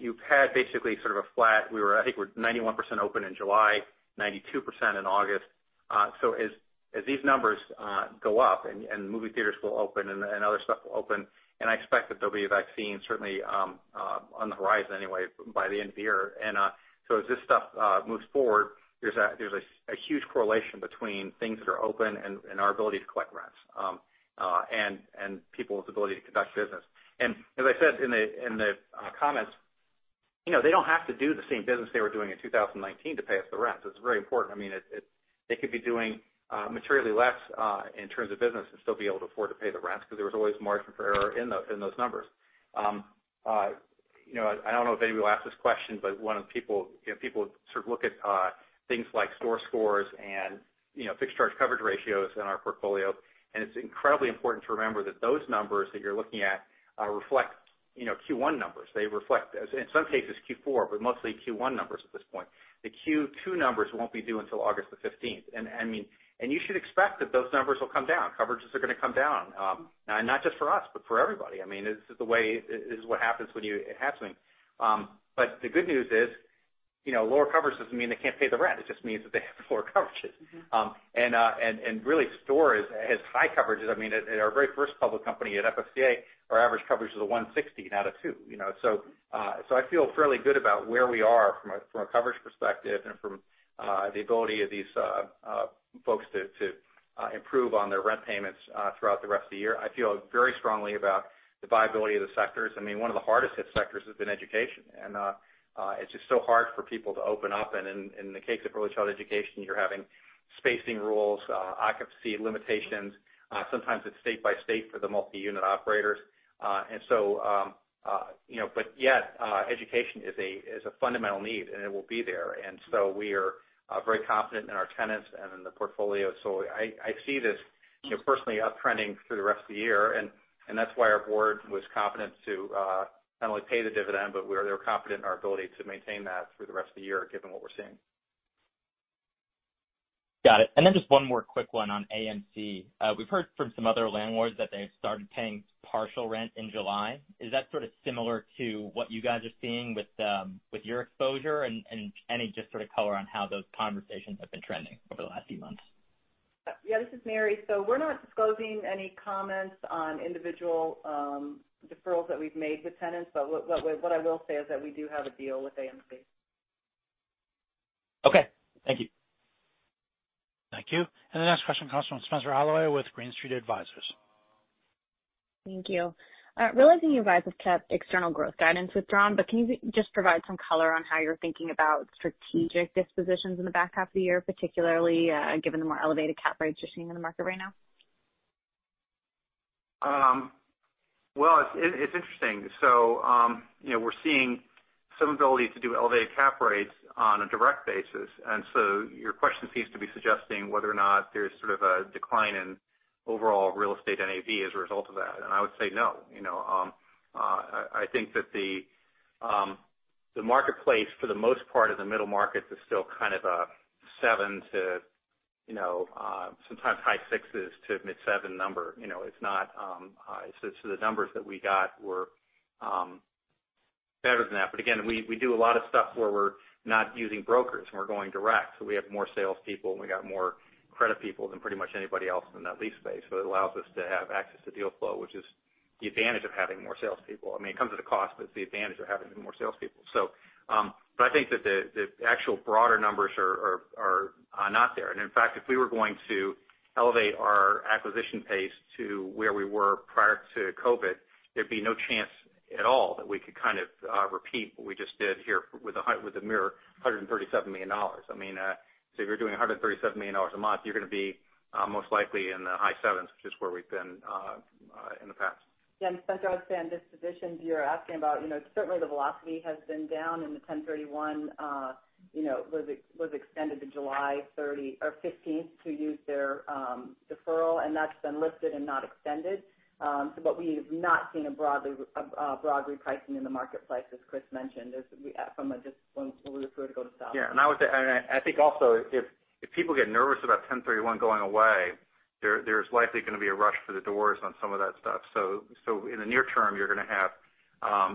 You've had basically sort of a flat. I think we're 91% open in July, 92% in August. As these numbers go up and movie theaters will open and other stuff will open, and I expect that there'll be a vaccine certainly, on the horizon anyway, by the end of the year. As this stuff moves forward, there's a huge correlation between things that are open and our ability to collect rents, and people's ability to conduct business. As I said in the comments, they don't have to do the same business they were doing in 2019 to pay us the rent. It's very important. They could be doing materially less in terms of business and still be able to afford to pay the rent because there was always margin for error in those numbers. I don't know if anybody will ask this question, but people sort of look at things like STORE Scores and fixed charge coverage ratios in our portfolio. It's incredibly important to remember that those numbers that you're looking at reflect Q1 numbers. They reflect, in some cases Q4, but mostly Q1 numbers at this point. The Q2 numbers won't be due until August the 15th. You should expect that those numbers will come down. Coverages are going to come down. Not just for us, but for everybody. This is what happens when it happens to me. The good news is lower coverage doesn't mean they can't pay the rent. It just means that they have lower coverages. Really, STORE has high coverages. At our very first public company at FSCA, our average coverage was a 160, not a two. I feel fairly good about where we are from a coverage perspective and from the ability of these folks to improve on their rent payments throughout the rest of the year. I feel very strongly about the viability of the sectors. One of the hardest hit sectors has been education. It's just so hard for people to open up. In the case of early child education, you're having spacing rules, occupancy limitations. Sometimes it's state by state for the multi-unit operators. Education is a fundamental need, and it will be there. We are very confident in our tenants and in the portfolio. I see this personally uptrending through the rest of the year, and that's why our board was confident to not only pay the dividend, but they were confident in our ability to maintain that through the rest of the year, given what we're seeing. Got it. Just one more quick one on AMC. We've heard from some other landlords that they've started paying partial rent in July. Is that sort of similar to what you guys are seeing with your exposure and any just sort of color on how those conversations have been trending over the last few months? Yeah, this is Mary. We're not disclosing any comments on individual deferrals that we've made with tenants. What I will say is that we do have a deal with AMC. Okay. Thank you. Thank you. The next question comes from Spenser Allaway with Green Street Advisors. Thank you. Realizing you guys have kept external growth guidance withdrawn, but can you just provide some color on how you're thinking about strategic dispositions in the back half of the year, particularly given the more elevated cap rates you're seeing in the market right now? It's interesting. We're seeing some ability to do elevated cap rates on a direct basis. Your question seems to be suggesting whether or not there's sort of a decline in overall real estate NAV as a result of that. I would say no. I think that the marketplace, for the most part in the middle markets, is still kind of a seven to sometimes high sixes to mid-seven number. The numbers that we got were better than that. Again, we do a lot of stuff where we're not using brokers and we're going direct. We have more salespeople and we got more credit people than pretty much anybody else in that lease space. It allows us to have access to deal flow, which is the advantage of having more salespeople. It comes at a cost, but it's the advantage of having more salespeople. I think that the actual broader numbers are not there. In fact, if we were going to elevate our acquisition pace to where we were prior to COVID-19, there'd be no chance at all that we could kind of repeat what we just did here with a mere $137 million. If you're doing $137 million a month, you're going to be most likely in the high sevens, which is where we've been in the past. Yeah. Spenser, I would say on dispositions you're asking about, certainly the velocity has been down and the 1031 was extended to July 15th to use their deferral, and that's been lifted and not extended. What we have not seen a broad repricing in the marketplace, as Chris mentioned, from a just when will this fruit go to sell. Yeah. I think also if people get nervous about 1031 going away, there's likely going to be a rush for the doors on some of that stuff. In the near term, you're going to have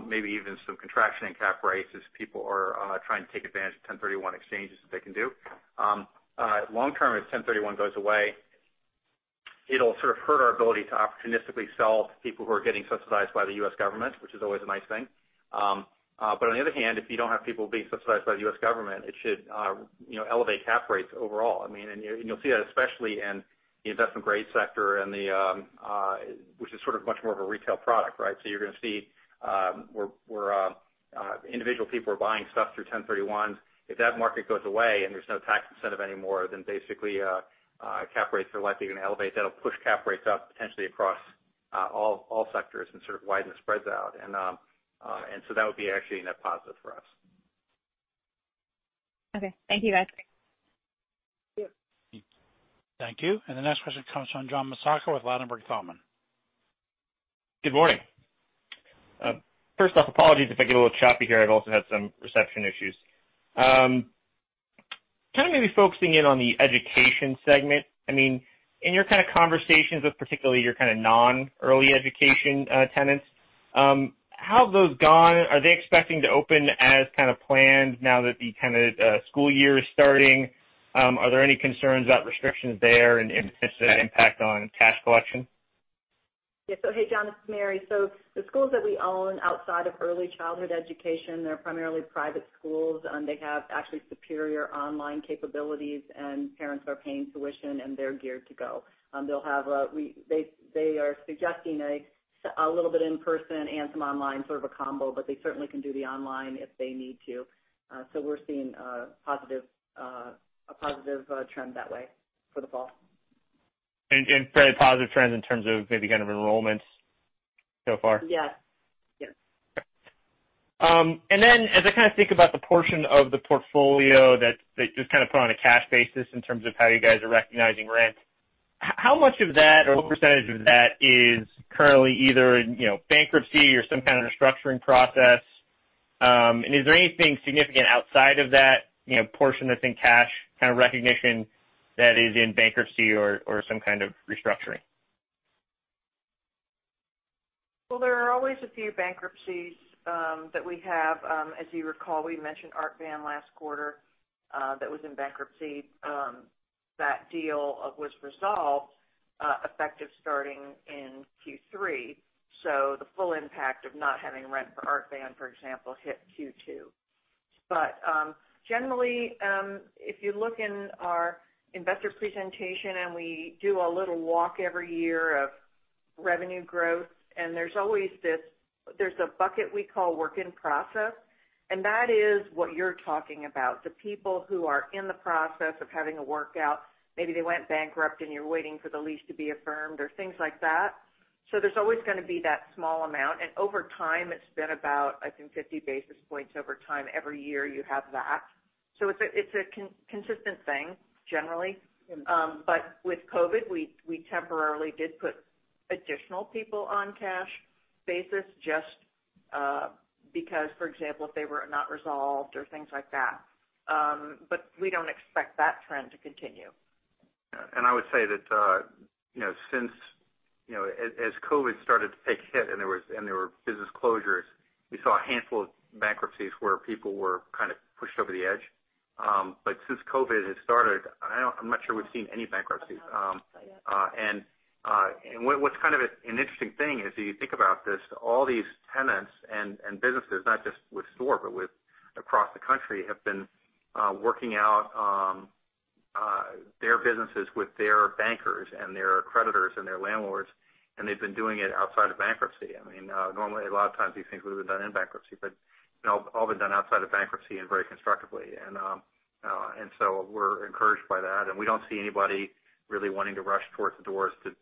maybe even some contraction in cap rates as people are trying to take advantage of 1031 exchanges that they can do. Long term, if 1031 goes away, it'll sort of hurt our ability to opportunistically sell to people who are getting subsidized by the U.S. government, which is always a nice thing. On the other hand, if you don't have people being subsidized by the U.S. government, it should elevate cap rates overall. You'll see that especially in the investment grade sector, which is sort of much more of a retail product, right? You're going to see where individual people are buying stuff through 1031. If that market goes away and there's no tax incentive anymore, basically cap rates are likely going to elevate. That'll push cap rates up potentially across all sectors and sort of widen the spreads out. That would be actually a net positive for us. Okay. Thank you, guys. Yep. Thank you. The next question comes from John Massocca with Ladenburg Thalmann. Good morning. First off, apologies if I get a little choppy here. I've also had some reception issues. Kind of maybe focusing in on the education segment. In your kind of conversations with particularly your kind of non-early education tenants, how have those gone? Are they expecting to open as kind of planned now that the kind of school year is starting? Are there any concerns about restrictions there and potential impact on cash collection? Yeah. Hey, John, this is Mary. The schools that we own outside of early childhood education, they're primarily private schools. They have actually superior online capabilities, and parents are paying tuition, and they're geared to go. They are suggesting a little bit in person and some online, sort of a combo, but they certainly can do the online if they need to. We're seeing a positive trend that way for the fall. Fairly positive trends in terms of maybe kind of enrollments so far? Yes. As I think about the portion of the portfolio that is put on a cash basis in terms of how you guys are recognizing rent, how much of that or what percentage of that is currently either in bankruptcy or some restructuring process? Is there anything significant outside of that portion that's in cash recognition that is in bankruptcy or some restructuring? Well, there are always a few bankruptcies that we have. As you recall, we mentioned Art Van last quarter that was in bankruptcy. That deal was resolved effective starting in Q3. The full impact of not having rent for Art Van, for example, hit Q2. Generally, if you look in our investor presentation and we do a little walk every year of revenue growth, and there's a bucket we call work in process, and that is what you're talking about, the people who are in the process of having a workout. Maybe they went bankrupt and you're waiting for the lease to be affirmed or things like that. There's always going to be that small amount, and over time, it's been about, I think, 50 basis points over time. Every year you have that. It's a consistent thing generally. With COVID, we temporarily did put additional people on cash basis just because, for example, if they were not resolved or things like that. We don't expect that trend to continue. I would say that as COVID started to take hit and there were business closures, we saw a handful of bankruptcies where people were kind of pushed over the edge. Since COVID has started, I am not sure we have seen any bankruptcies. No. Not yet. What's kind of an interesting thing is if you think about this, all these tenants and businesses, not just with STORE, but with across the country, have been working out their businesses with their bankers and their creditors and their landlords, and they've been doing it outside of bankruptcy. Normally, a lot of times these things would have been done in bankruptcy, but all been done outside of bankruptcy and very constructively. We're encouraged by that, and we don't see anybody really wanting to rush towards the doors to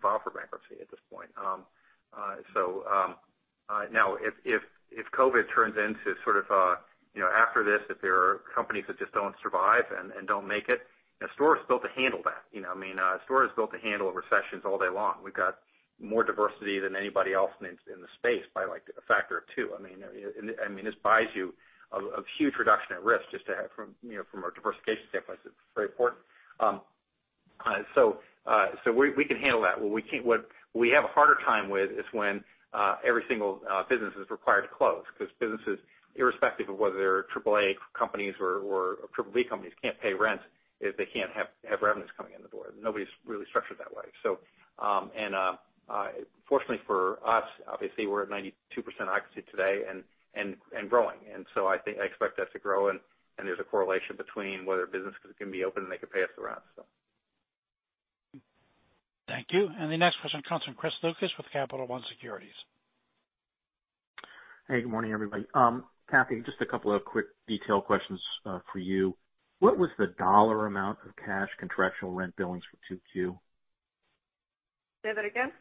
file for bankruptcy at this point. Now, if COVID turns into after this, if there are companies that just don't survive and don't make it, STORE is built to handle that. STORE is built to handle recessions all day long. We've got more diversity than anybody else in the space by like a factor of two. This buys you a huge reduction at risk just from a diversification standpoint, it's very important. We can handle that. What we have a harder time with is when every single business is required to close because businesses, irrespective of whether they're AAA companies or Triple B companies, can't pay rent if they can't have revenues coming in the door. Nobody's really structured that way. Fortunately for us, obviously, we're at 92% occupancy today and growing. I expect us to grow, and there's a correlation between whether businesses can be open and they can pay us the rent. Thank you. The next question comes from Chris Lucas with Capital One Securities. Hey, good morning, everybody. Kathy, just a couple of quick detail questions for you. What was the dollar amount of cash contractual rent billings for two Q? Say that again.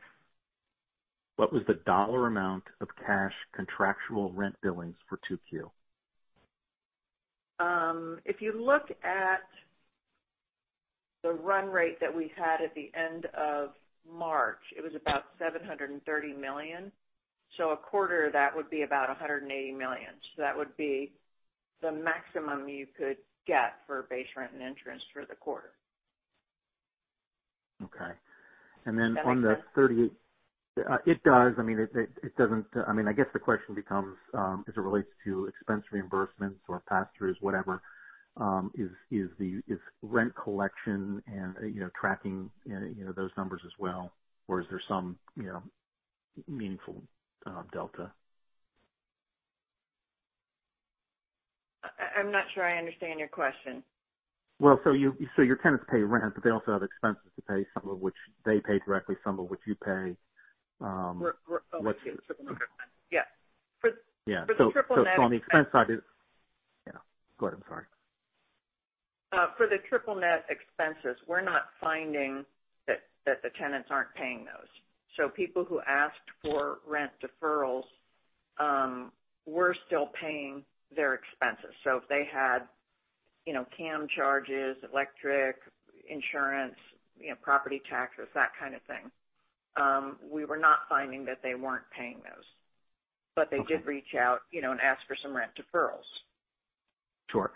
What was the dollar amount of cash contractual rent billings for two Q? If you look at the run rate that we had at the end of March, it was about $730 million. A quarter of that would be about $180 million. That would be the maximum you could get for base rent and insurance for the quarter. Okay. Does that make sense? It does. I guess the question becomes, as it relates to expense reimbursements or pass-throughs, whatever, is rent collection and tracking those numbers as well, or is there some meaningful delta? I'm not sure I understand your question. Your tenants pay rent, but they also have expenses to pay, some of which they pay directly, some of which you pay. Oh, okay. Triple net. Yeah. Yeah. For the triple net. On the expense side Yeah, go ahead. I'm sorry. For the triple net expenses, we're not finding that the tenants aren't paying those. People who asked for rent deferrals were still paying their expenses. If they had CAM charges, electric, insurance, property taxes, that kind of thing, we were not finding that they weren't paying those. Okay. They did reach out and ask for some rent deferrals. Sure.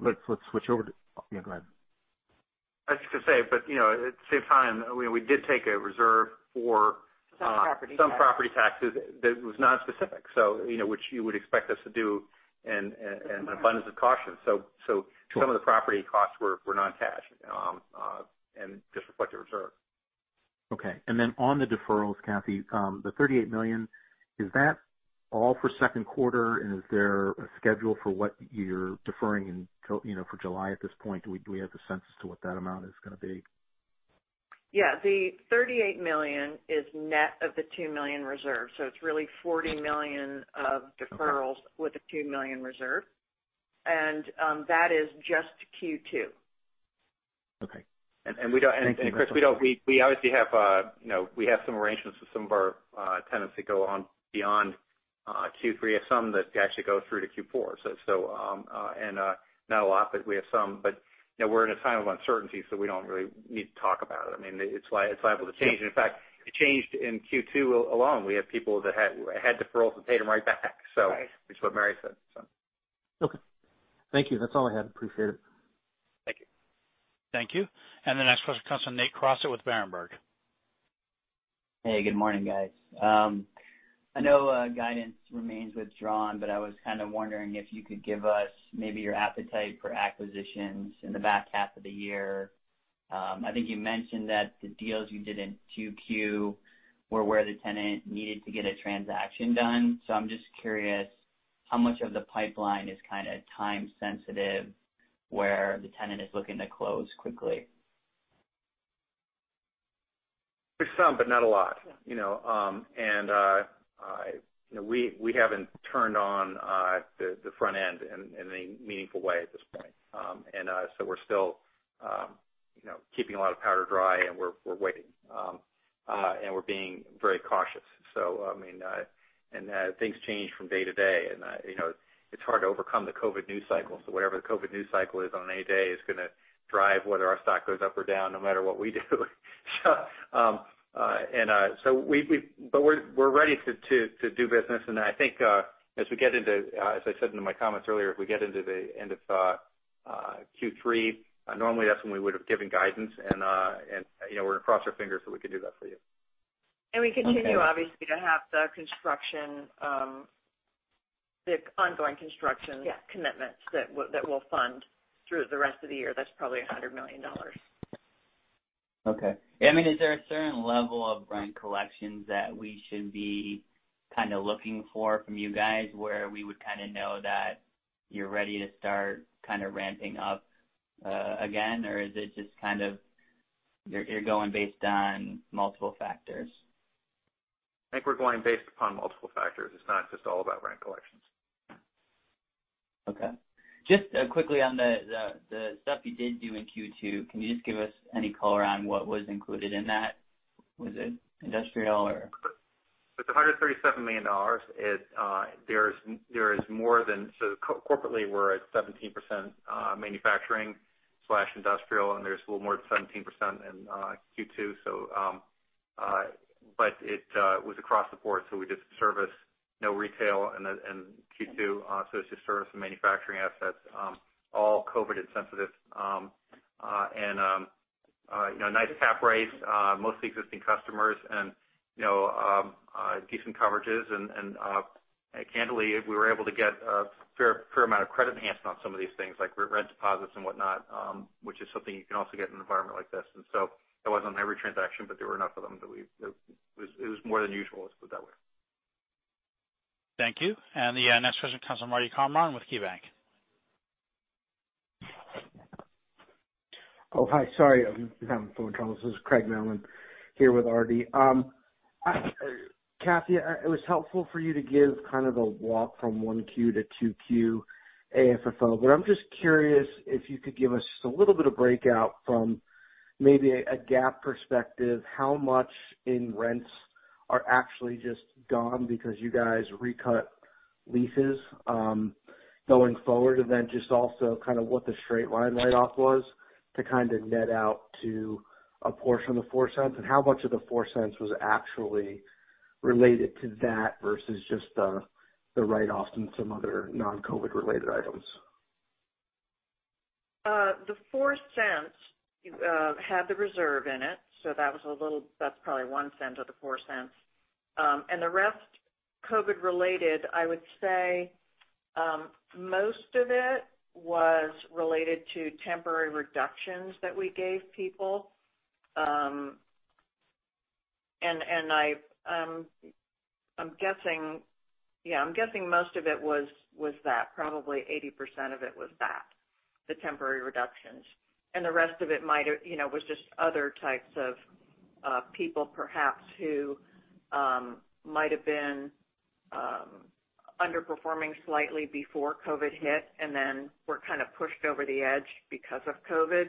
Let's switch over to, yeah, go ahead. I was just going to say, but to save time, we did take a reserve for- Some property taxes. some property taxes that was nonspecific, which you would expect us to do in an abundance of caution. Sure some of the property costs were non-cash, and just reflect the reserve. Okay. Then on the deferrals, Kathy, the $38 million, is that all for second quarter, and is there a schedule for what you're deferring for July at this point? Do we have the sense as to what that amount is going to be? Yeah. The $38 million is net of the $2 million reserve. It's really $40 million of deferrals with a $2 million reserve. That is just Q2. Okay. Chris, we obviously have some arrangements with some of our tenants that go on beyond Q3, some that actually go through to Q4. Not a lot, but we have some. We're in a time of uncertainty, so we don't really need to talk about it. It's liable to change. In fact, it changed in Q2 alone. We had people that had deferrals that paid them right back. Right. Which is what Mary said. Okay. Thank you. That's all I had. Appreciate it. Thank you. Thank you. The next question comes from Nate Crossett with Berenberg. Hey, good morning, guys. I know guidance remains withdrawn, but I was wondering if you could give us maybe your appetite for acquisitions in the back half of the year. I think you mentioned that the deals you did in 2Q were where the tenant needed to get a transaction done. I'm just curious how much of the pipeline is time sensitive, where the tenant is looking to close quickly. There's some, but not a lot. Yeah. We haven't turned on the front end in a meaningful way at this point. We're still keeping a lot of powder dry, and we're waiting. We're being very cautious. Things change from day to day, and it's hard to overcome the COVID news cycle. Whatever the COVID news cycle is on any day is going to drive whether our stock goes up or down, no matter what we do. We're ready to do business, and I think as we get into As I said in my comments earlier, if we get into the end of Q3, normally that's when we would've given guidance, and we're going to cross our fingers that we can do that for you. We continue, obviously, to have the ongoing construction. Yeah commitments that we'll fund through the rest of the year. That's probably $100 million. Okay. Is there a certain level of rent collections that we should be kind of looking for from you guys where we would kind of know that you're ready to start kind of ramping up again, or is it just you're going based on multiple factors? I think we're going based upon multiple factors. It's not just all about rent collections. Okay. Just quickly on the stuff you did do in Q2, can you just give us any color on what was included in that? Was it industrial, or? It's $137 million. Corporately, we're at 17% manufacturing/industrial, and there's a little more than 17% in Q2. It was across the board, so we did service no retail in Q2. It's just service and manufacturing assets, all COVID insensitive, and nice cap rates, mostly existing customers and decent coverages and, candidly, we were able to get a fair amount of credit enhancement on some of these things, like rent deposits and whatnot, which is something you can also get in an environment like this. That wasn't every transaction, but there were enough of them that it was more than usual, let's put it that way. Thank you. The next question comes from Todd Thomas with KeyBanc. Oh, hi. Sorry, I'm having phone troubles. This is Craig Mailman here with R.D. Lafferty. Kathy, it was helpful for you to give kind of a walk from 1Q to 2Q AFFO. I'm just curious if you could give us just a little bit of breakout from maybe a GAAP perspective, how much in rents are actually just gone because you guys recut leases going forward. Just also kind of what the straight line write-off was to kind of net out to a portion of the $0.04 and how much of the $0.04 was actually related to that versus just the write-offs and some other non-COVID related items. The $0.04 had the reserve in it, so that's probably $0.01 of the $0.04. The rest COVID related, I would say, most of it was related to temporary reductions that we gave people. I'm guessing most of it was that, probably 80% of it was that, the temporary reductions. The rest of it was just other types of people, perhaps, who might have been underperforming slightly before COVID hit and then were kind of pushed over the edge because of COVID.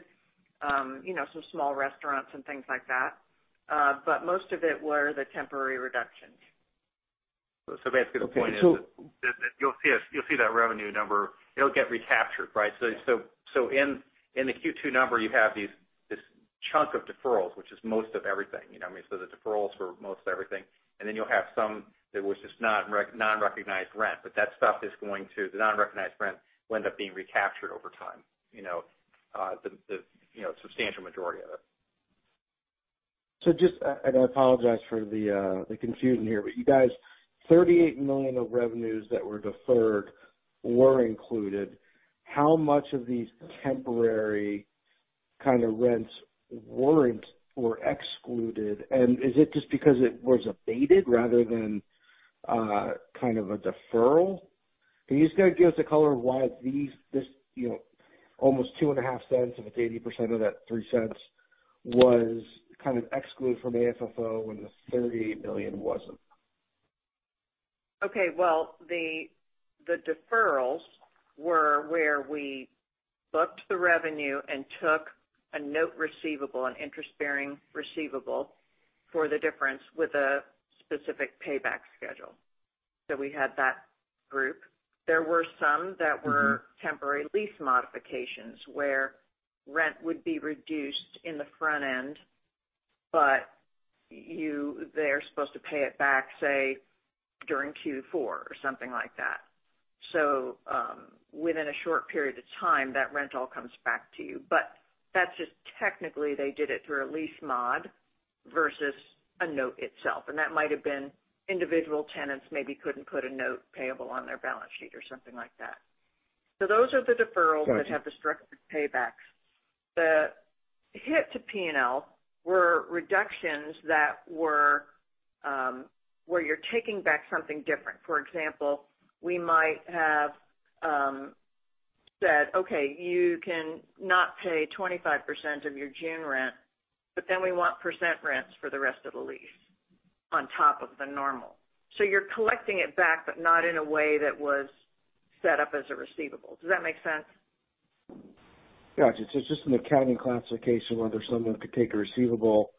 Some small restaurants and things like that. Most of it were the temporary reductions. Basically the point is that you'll see that revenue number, it'll get recaptured, right? In the Q2 number, you have this chunk of deferrals, which is most of everything. I mean, the deferrals were most everything, and then you'll have some that was just non-recognized rent. The non-recognized rent will end up being recaptured over time, the substantial majority of it. Just, and I apologize for the confusion here, but you guys, $38 million of revenues that were deferred were included. How much of these temporary kind of rents weren't or excluded? Is it just because it was abated rather than kind of a deferral? Can you just kind of give us a color of why this almost $0.025, if it's 80% of that $0.03, was kind of excluded from AFFO when the $38 million wasn't? Okay. The deferrals were where we booked the revenue and took a note receivable, an interest-bearing receivable for the difference with a specific payback schedule. We had that group. There were some that were temporary lease modifications where rent would be reduced in the front end, they're supposed to pay it back, say, during Q4 or something like that. Within a short period of time, that rent all comes back to you. That's just technically they did it through a lease mod versus a note itself. That might have been individual tenants maybe couldn't put a note payable on their balance sheet or something like that. Those are the deferrals that have the structured paybacks. The hit to P&L were reductions that were where you're taking back something different. For example, we might have said, "Okay, you cannot pay 25% of your June rent, then we want percentage rents for the rest of the lease on top of the normal." You're collecting it back, but not in a way that was set up as a receivable. Does that make sense? Got you. It's just an accounting classification, whether someone could take a receivable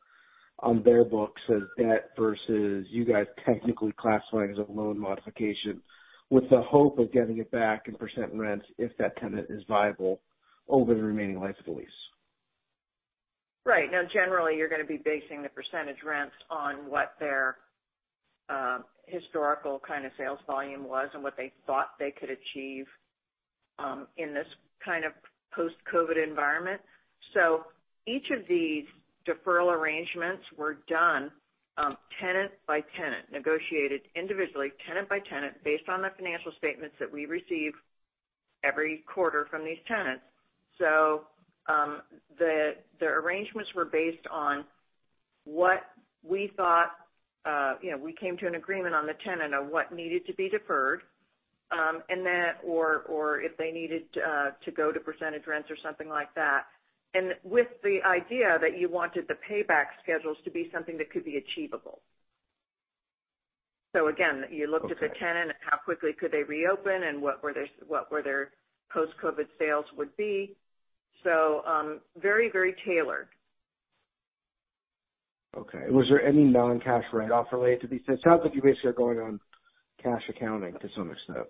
on their books as debt versus you guys technically classifying as a loan modification with the hope of getting it back in percent rents if that tenant is viable over the remaining life of the lease. Right. Generally, you're going to be basing the percentage rents on what their historical kind of sales volume was and what they thought they could achieve in this kind of post-COVID-19 environment. Each of these deferral arrangements were done tenant by tenant, negotiated individually, tenant by tenant, based on the financial statements that we receive every quarter from these tenants. The arrangements were based on what we came to an agreement on the tenant on what needed to be deferred, or if they needed to go to percentage rents or something like that. With the idea that you wanted the payback schedules to be something that could be achievable. Again, you looked at the tenant, how quickly could they reopen and what were their post-COVID-19 sales would be. Very tailored. Okay. Was there any non-cash write-off related to these? It sounds like you basically are going on cash accounting to some extent.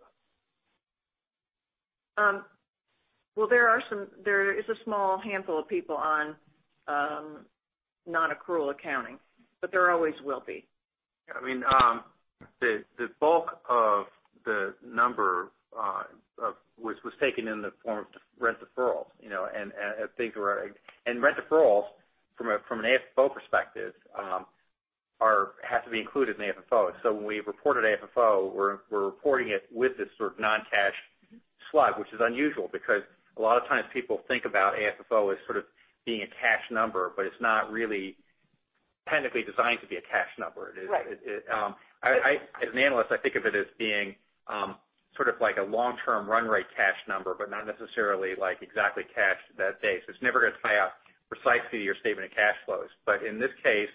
Well, there is a small handful of people on non-accrual accounting, but there always will be. I mean, the bulk of the number was taken in the form of rent deferrals. Rent deferrals, from an AFFO perspective, have to be included in the AFFO. When we reported AFFO, we're reporting it with this sort of non-cash slug, which is unusual because a lot of times people think about AFFO as sort of being a cash number, but it's not really technically designed to be a cash number. Right. As an analyst, I think of it as being sort of like a long-term run rate cash number, but not necessarily exactly cash that day. It's never going to tie out precisely to your statement of cash flows. In this case,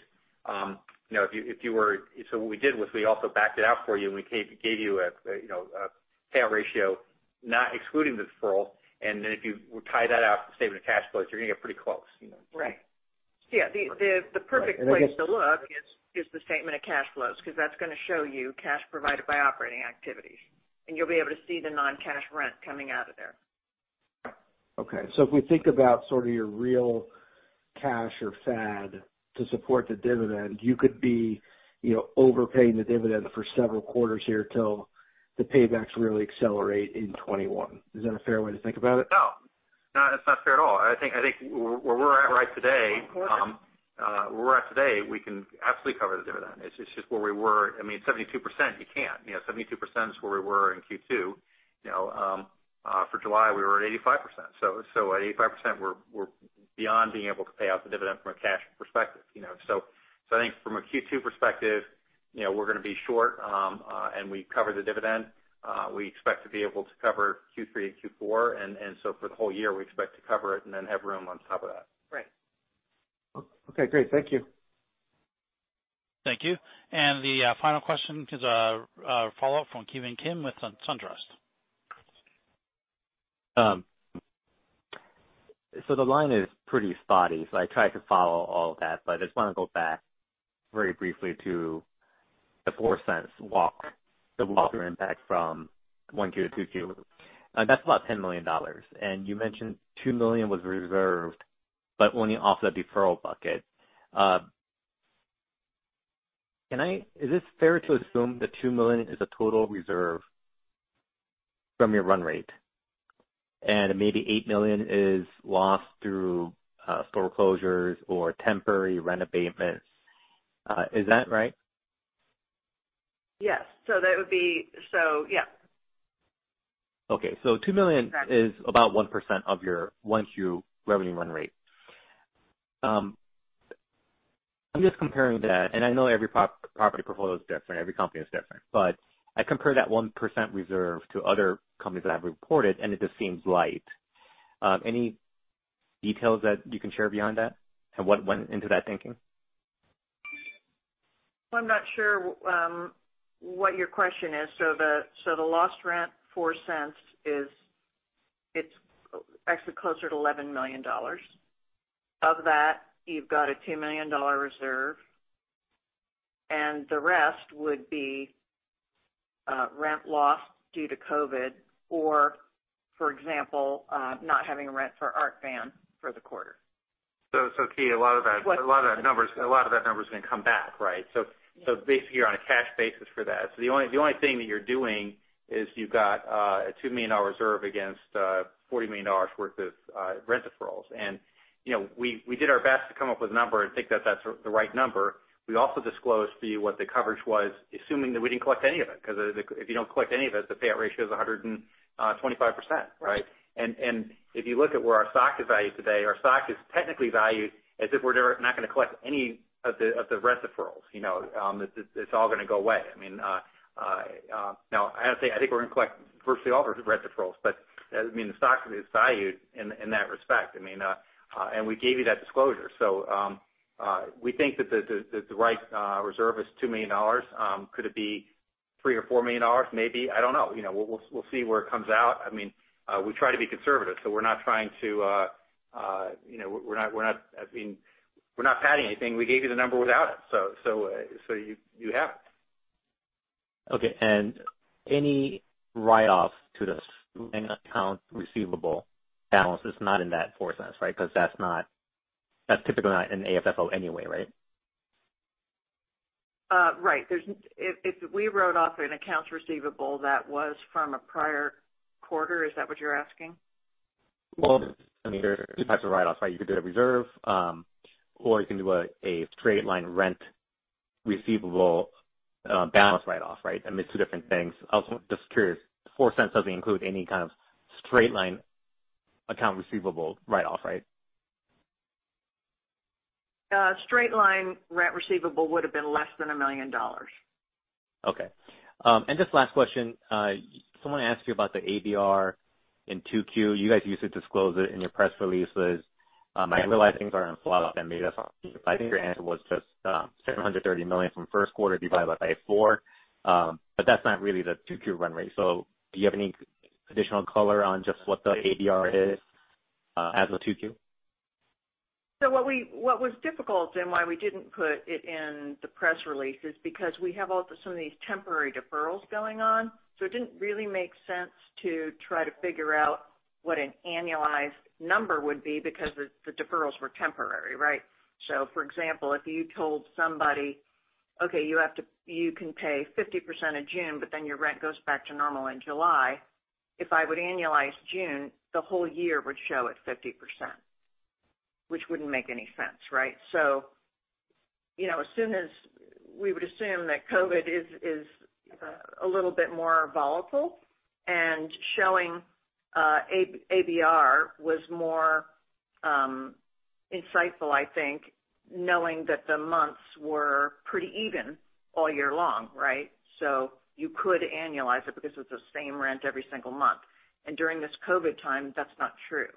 what we did was we also backed it out for you, and we gave you a payout ratio not excluding the deferral. Then if you would tie that out to the statement of cash flows, you're going to get pretty close. Right. Yeah. The perfect place to look is the statement of cash flows, because that's going to show you cash provided by operating activities, and you'll be able to see the non-cash rent coming out of there. Okay. If we think about sort of your real cash or FAD to support the dividend, you could be overpaying the dividend for several quarters here till the paybacks really accelerate in 2021. Is that a fair way to think about it? No. No, that's not fair at all. I think where we're at right today. Of course. where we're at today, we can absolutely cover the dividend. It's just where we were. I mean, 72%, you can't. 72% is where we were in Q2. For July, we were at 85%. At 85%, we're beyond being able to pay out the dividend from a cash perspective. I think from a Q2 perspective, we're going to be short, and we cover the dividend. We expect to be able to cover Q3 and Q4, for the whole year, we expect to cover it and then have room on top of that. Right. Okay, great. Thank you. Thank you. The final question is a follow-up from Kevin Kim with SunTrust. The line is pretty spotty. I tried to follow all of that. I just want to go back very briefly to the $0.04 walk, the walk impact from 1Q to 2Q. That's about $10 million. You mentioned $2 million was reserved only off the deferral bucket. Is it fair to assume the $2 million is a total reserve from your run rate, and maybe $8 million is lost through store closures or temporary rent abatements? Is that right? Yes. That would be yeah. Okay. $2 million. Correct is about 1% of your one Q revenue run rate. I'm just comparing that, and I know every property portfolio is different, every company is different. I compare that 1% reserve to other companies that have reported, and it just seems light. Any details that you can share beyond that, and what went into that thinking? I'm not sure what your question is. The lost rent $0.04, it's actually closer to $11 million. Of that, you've got a $2 million reserve, and the rest would be rent lost due to COVID or, for example, not having rent for Art Van for the quarter. Kathy, a lot of that number is going to come back, right? Basically, you're on a cash basis for that. The only thing that you're doing is you've got a $2 million reserve against $40 million worth of rent deferrals. We did our best to come up with a number and think that that's the right number. We also disclosed to you what the coverage was, assuming that we didn't collect any of it. If you don't collect any of it, the payout ratio is 125%, right? Right. If you look at where our stock is valued today, our stock is technically valued as if we're not going to collect any of the rent deferrals. It's all going to go away. I have to say, I think we're going to collect virtually all the rent deferrals, but the stock is valued in that respect. We gave you that disclosure. We think that the right reserve is $2 million. Could it be $3 million or $4 million? Maybe. I don't know. We'll see where it comes out. We try to be conservative. We're not padding anything. We gave you the number without it. You have it. Okay. Any write-offs to this account receivable balance is not in that $0.04, right? Because that's typically not in AFFO anyway, right? Right. If we wrote off an accounts receivable that was from a prior quarter, is that what you're asking? Well, there are two types of write-offs, right? You could do a reserve, or you can do a straight line rent receivable balance write-off, right? I mean, it's two different things. Also, just curious, $0.04 doesn't include any kind of straight line account receivable write-off, right? Straight line rent receivable would've been less than $1 million. Okay. Just last question. Someone asked you about the ABR in 2Q. You guys used to disclose it in your press releases. I realize things are just $730 million from first quarter divided by four. That's not really the 2Q run rate. Do you have any additional color on just what the ABR is as of 2Q? What was difficult and why we didn't put it in the press release is because we have all of a sudden these temporary deferrals going on. It didn't really make sense to try to figure out what an annualized number would be because the deferrals were temporary, right? For example, if you told somebody, "Okay, you can pay 50% in June, but then your rent goes back to normal in July." If I would annualize June, the whole year would show at 50%, which wouldn't make any sense, right? We would assume that COVID is a little bit more volatile, and showing ABR was more insightful, I think, knowing that the months were pretty even all year long, right? You could annualize it because it's the same rent every single month. During this COVID time, that's not true.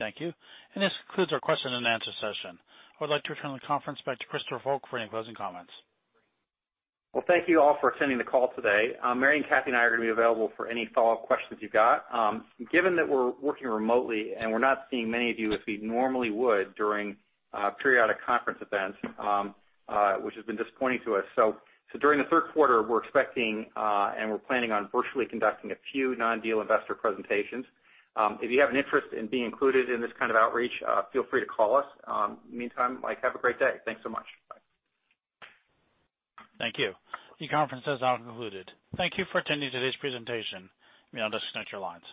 Thank you. This concludes our question and answer session. I would like to return the conference back to Christopher Volk for any closing comments. Well, thank you all for attending the call today. Mary and Kathy and I are going to be available for any follow-up questions you got. Given that we're working remotely and we're not seeing many of you as we normally would during periodic conference events, which has been disappointing to us. During the third quarter, we're expecting, and we're planning on virtually conducting a few non-deal investor presentations. If you have an interest in being included in this kind of outreach, feel free to call us. Meantime, Mike, have a great day. Thanks so much. Bye. Thank you. The conference has now concluded. Thank you for attending today's presentation. You may now disconnect your lines.